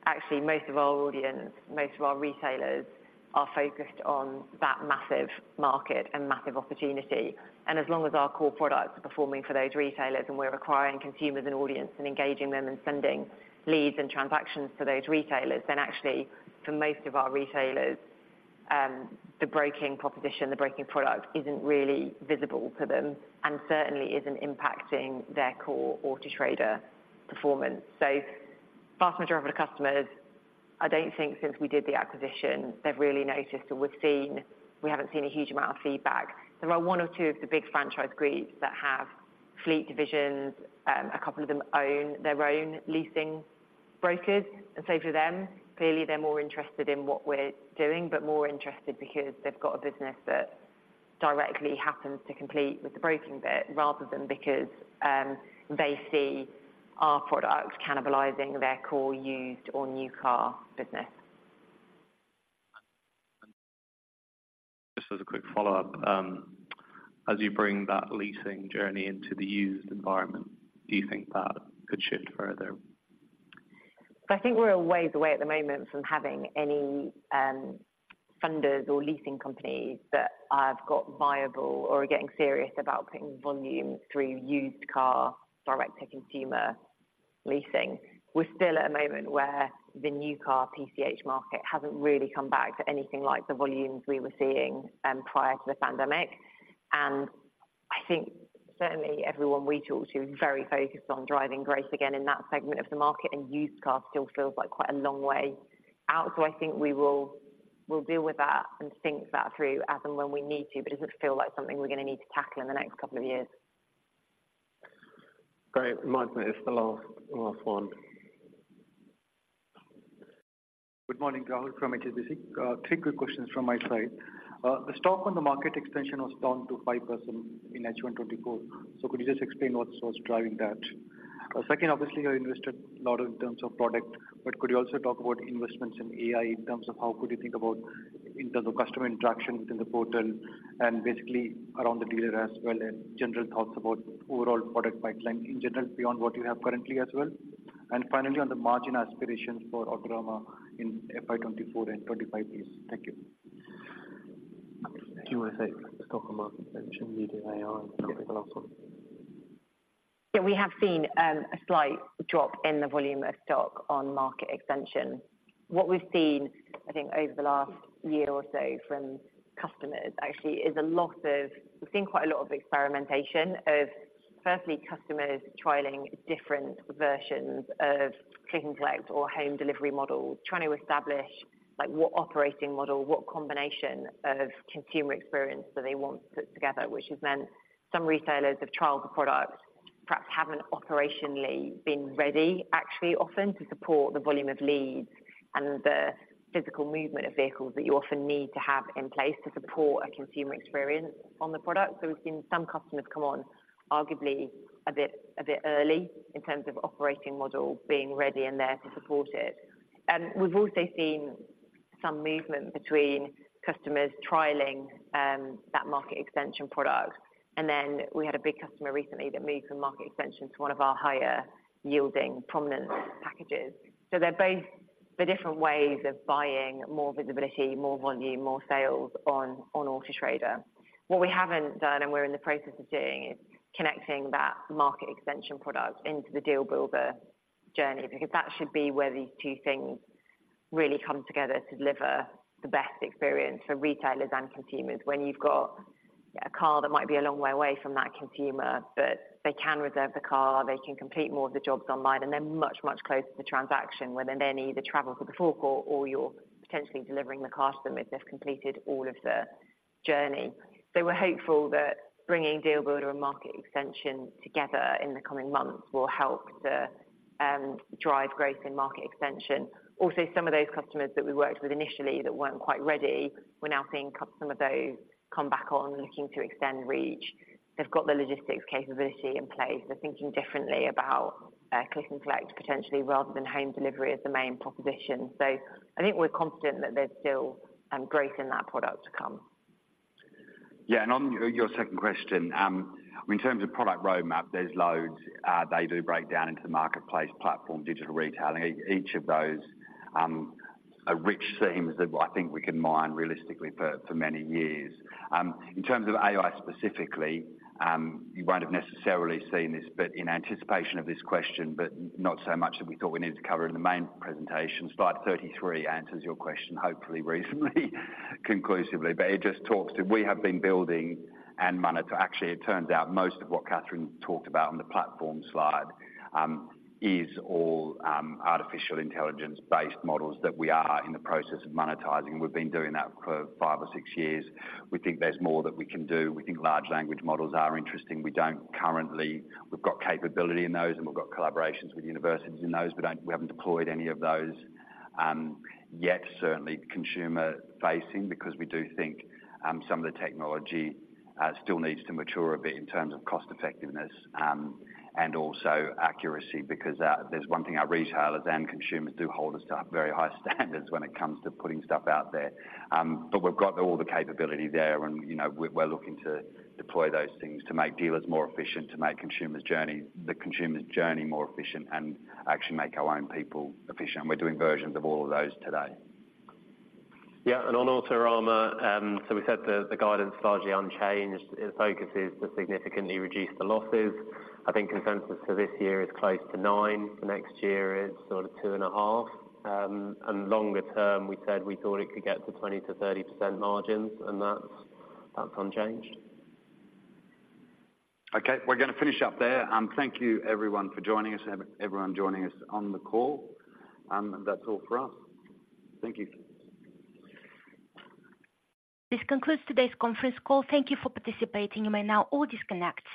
actually, most of our audience, most of our retailers, are focused on that massive market and massive opportunity. And as long as our core products are performing for those retailers, and we're acquiring consumers and audience and engaging them and sending leads and transactions to those retailers, then actually, for most of our retailers, the breaking proposition, the breaking product, isn't really visible for them and certainly isn't impacting their core Auto Trader performance. So vast majority of our customers, I don't think since we did the acquisition, they've really noticed, or we've seen. We haven't seen a huge amount of feedback. There are one or two of the big franchise groups that have fleet divisions. A couple of them own their own leasing brokers, and so for them, clearly, they're more interested in what we're doing, but more interested because they've got a business that directly happens to compete with the broking bit, rather than because, they see our products cannibalizing their core used or new car business. Just as a quick follow-up. As you bring that leasing journey into the used environment, do you think that could shift further? I think we're a ways away at the moment from having any, funders or leasing companies that have got viable or are getting serious about putting volume through used car, direct-to-consumer leasing. We're still at a moment where the new car PCH market hasn't really come back to anything like the volumes we were seeing, prior to the pandemic. And I think certainly everyone we talk to is very focused on driving growth again in that segment of the market, and used cars still feels like quite a long way out. So I think we will, we'll deal with that and think that through as and when we need to, but it doesn't feel like something we're going to need to tackle in the next couple of years. Great. Remind me, it's the last, last one. Good morning, Rahul from HSBC. Three quick questions from my side. The stock on the Market Extension was down to 5% in H1 2024. So could you just explain what's sort of driving that? Second, obviously, you're invested a lot in terms of product, but could you also talk about investments in AI in terms of how could you think about in terms of customer interaction within the portal and basically around the dealer as well, and general thoughts about overall product pipeline in general, beyond what you have currently as well? And finally, on the margin aspirations for Autorama in FY 2024 and 2025, please. Thank you. Questions on stock and market expansion, leading AI, and the last one. Yeah, we have seen a slight drop in the volume of stock on Market Extension. What we've seen, I think, over the last year or so from customers actually, is we've seen quite a lot of experimentation of firstly, customers trialing different versions of click and collect or home delivery models, trying to establish, like, what operating model, what combination of consumer experience do they want put together, which has meant some retailers have trialed the product, perhaps haven't operationally been ready actually often, to support the volume of leads and the physical movement of vehicles that you often need to have in place to support a consumer experience on the product. So we've seen some customers come on, arguably, a bit early in terms of operating model being ready and there to support it. And we've also seen some movement between customers trialing that Market Extension product. And then we had a big customer recently that moved from Market Extension to one of our higher yielding Prominence packages. So they're both the different ways of buying more visibility, more volume, more sales on, on Auto Trader. What we haven't done, and we're in the process of doing, is connecting that Market Extension product into the Deal Builder journey, because that should be where these two things really come together to deliver the best experience for retailers and consumers. When you've got a car that might be a long way away from that consumer, but they can reserve the car, they can complete more of the jobs online, and they're much, much closer to transaction, whether they need to travel for the forecourt or you're potentially delivering the car to them if they've completed all of the journey. So we're hopeful that bringing Deal Builder and Market Extension together in the coming months will help to drive growth in Market Extension. Also, some of those customers that we worked with initially that weren't quite ready, we're now seeing some of those come back on looking to extend reach. They've got the logistics capability in place. They're thinking differently about click and collect potentially, rather than home delivery as the main proposition. So I think we're confident that there's still growth in that product to come. Yeah, and on your second question, in terms of product roadmap, there's loads. They do break down into the marketplace platform, digital retailing. Each of those are rich themes that I think we can mine realistically for many years. In terms of AI specifically, you won't have necessarily seen this, but in anticipation of this question, but not so much that we thought we needed to cover in the main presentation, Slide 33 answers your question, hopefully reasonably conclusively. But it just talks to we have been building and actually, it turns out most of what Catherine talked about on the platform slide is all artificial intelligence-based models that we are in the process of monetizing. We've been doing that for five or six years. We think there's more that we can do. We think large language models are interesting. We don't currently. We've got capability in those, and we've got collaborations with universities in those, but we haven't deployed any of those yet, certainly consumer facing, because we do think some of the technology still needs to mature a bit in terms of cost effectiveness, and also accuracy. Because there's one thing our retailers and consumers do hold us to very high standards when it comes to putting stuff out there. But we've got all the capability there, and, you know, we're looking to deploy those things to make dealers more efficient, to make the consumer's journey more efficient and actually make our own people efficient. And we're doing versions of all of those today. Yeah, and on Autorama, so we said that the guidance is largely unchanged. The focus is to significantly reduce the losses. I think consensus for this year is close to 9. For next year, it's sort of 2.5. And longer term, we said we thought it could get to 20%-30% margins, and that's, that's unchanged. Okay, we're going to finish up there. Thank you everyone for joining us and everyone joining us on the call. That's all for us. Thank you. This concludes today's conference call. Thank you for participating. You may now all disconnect.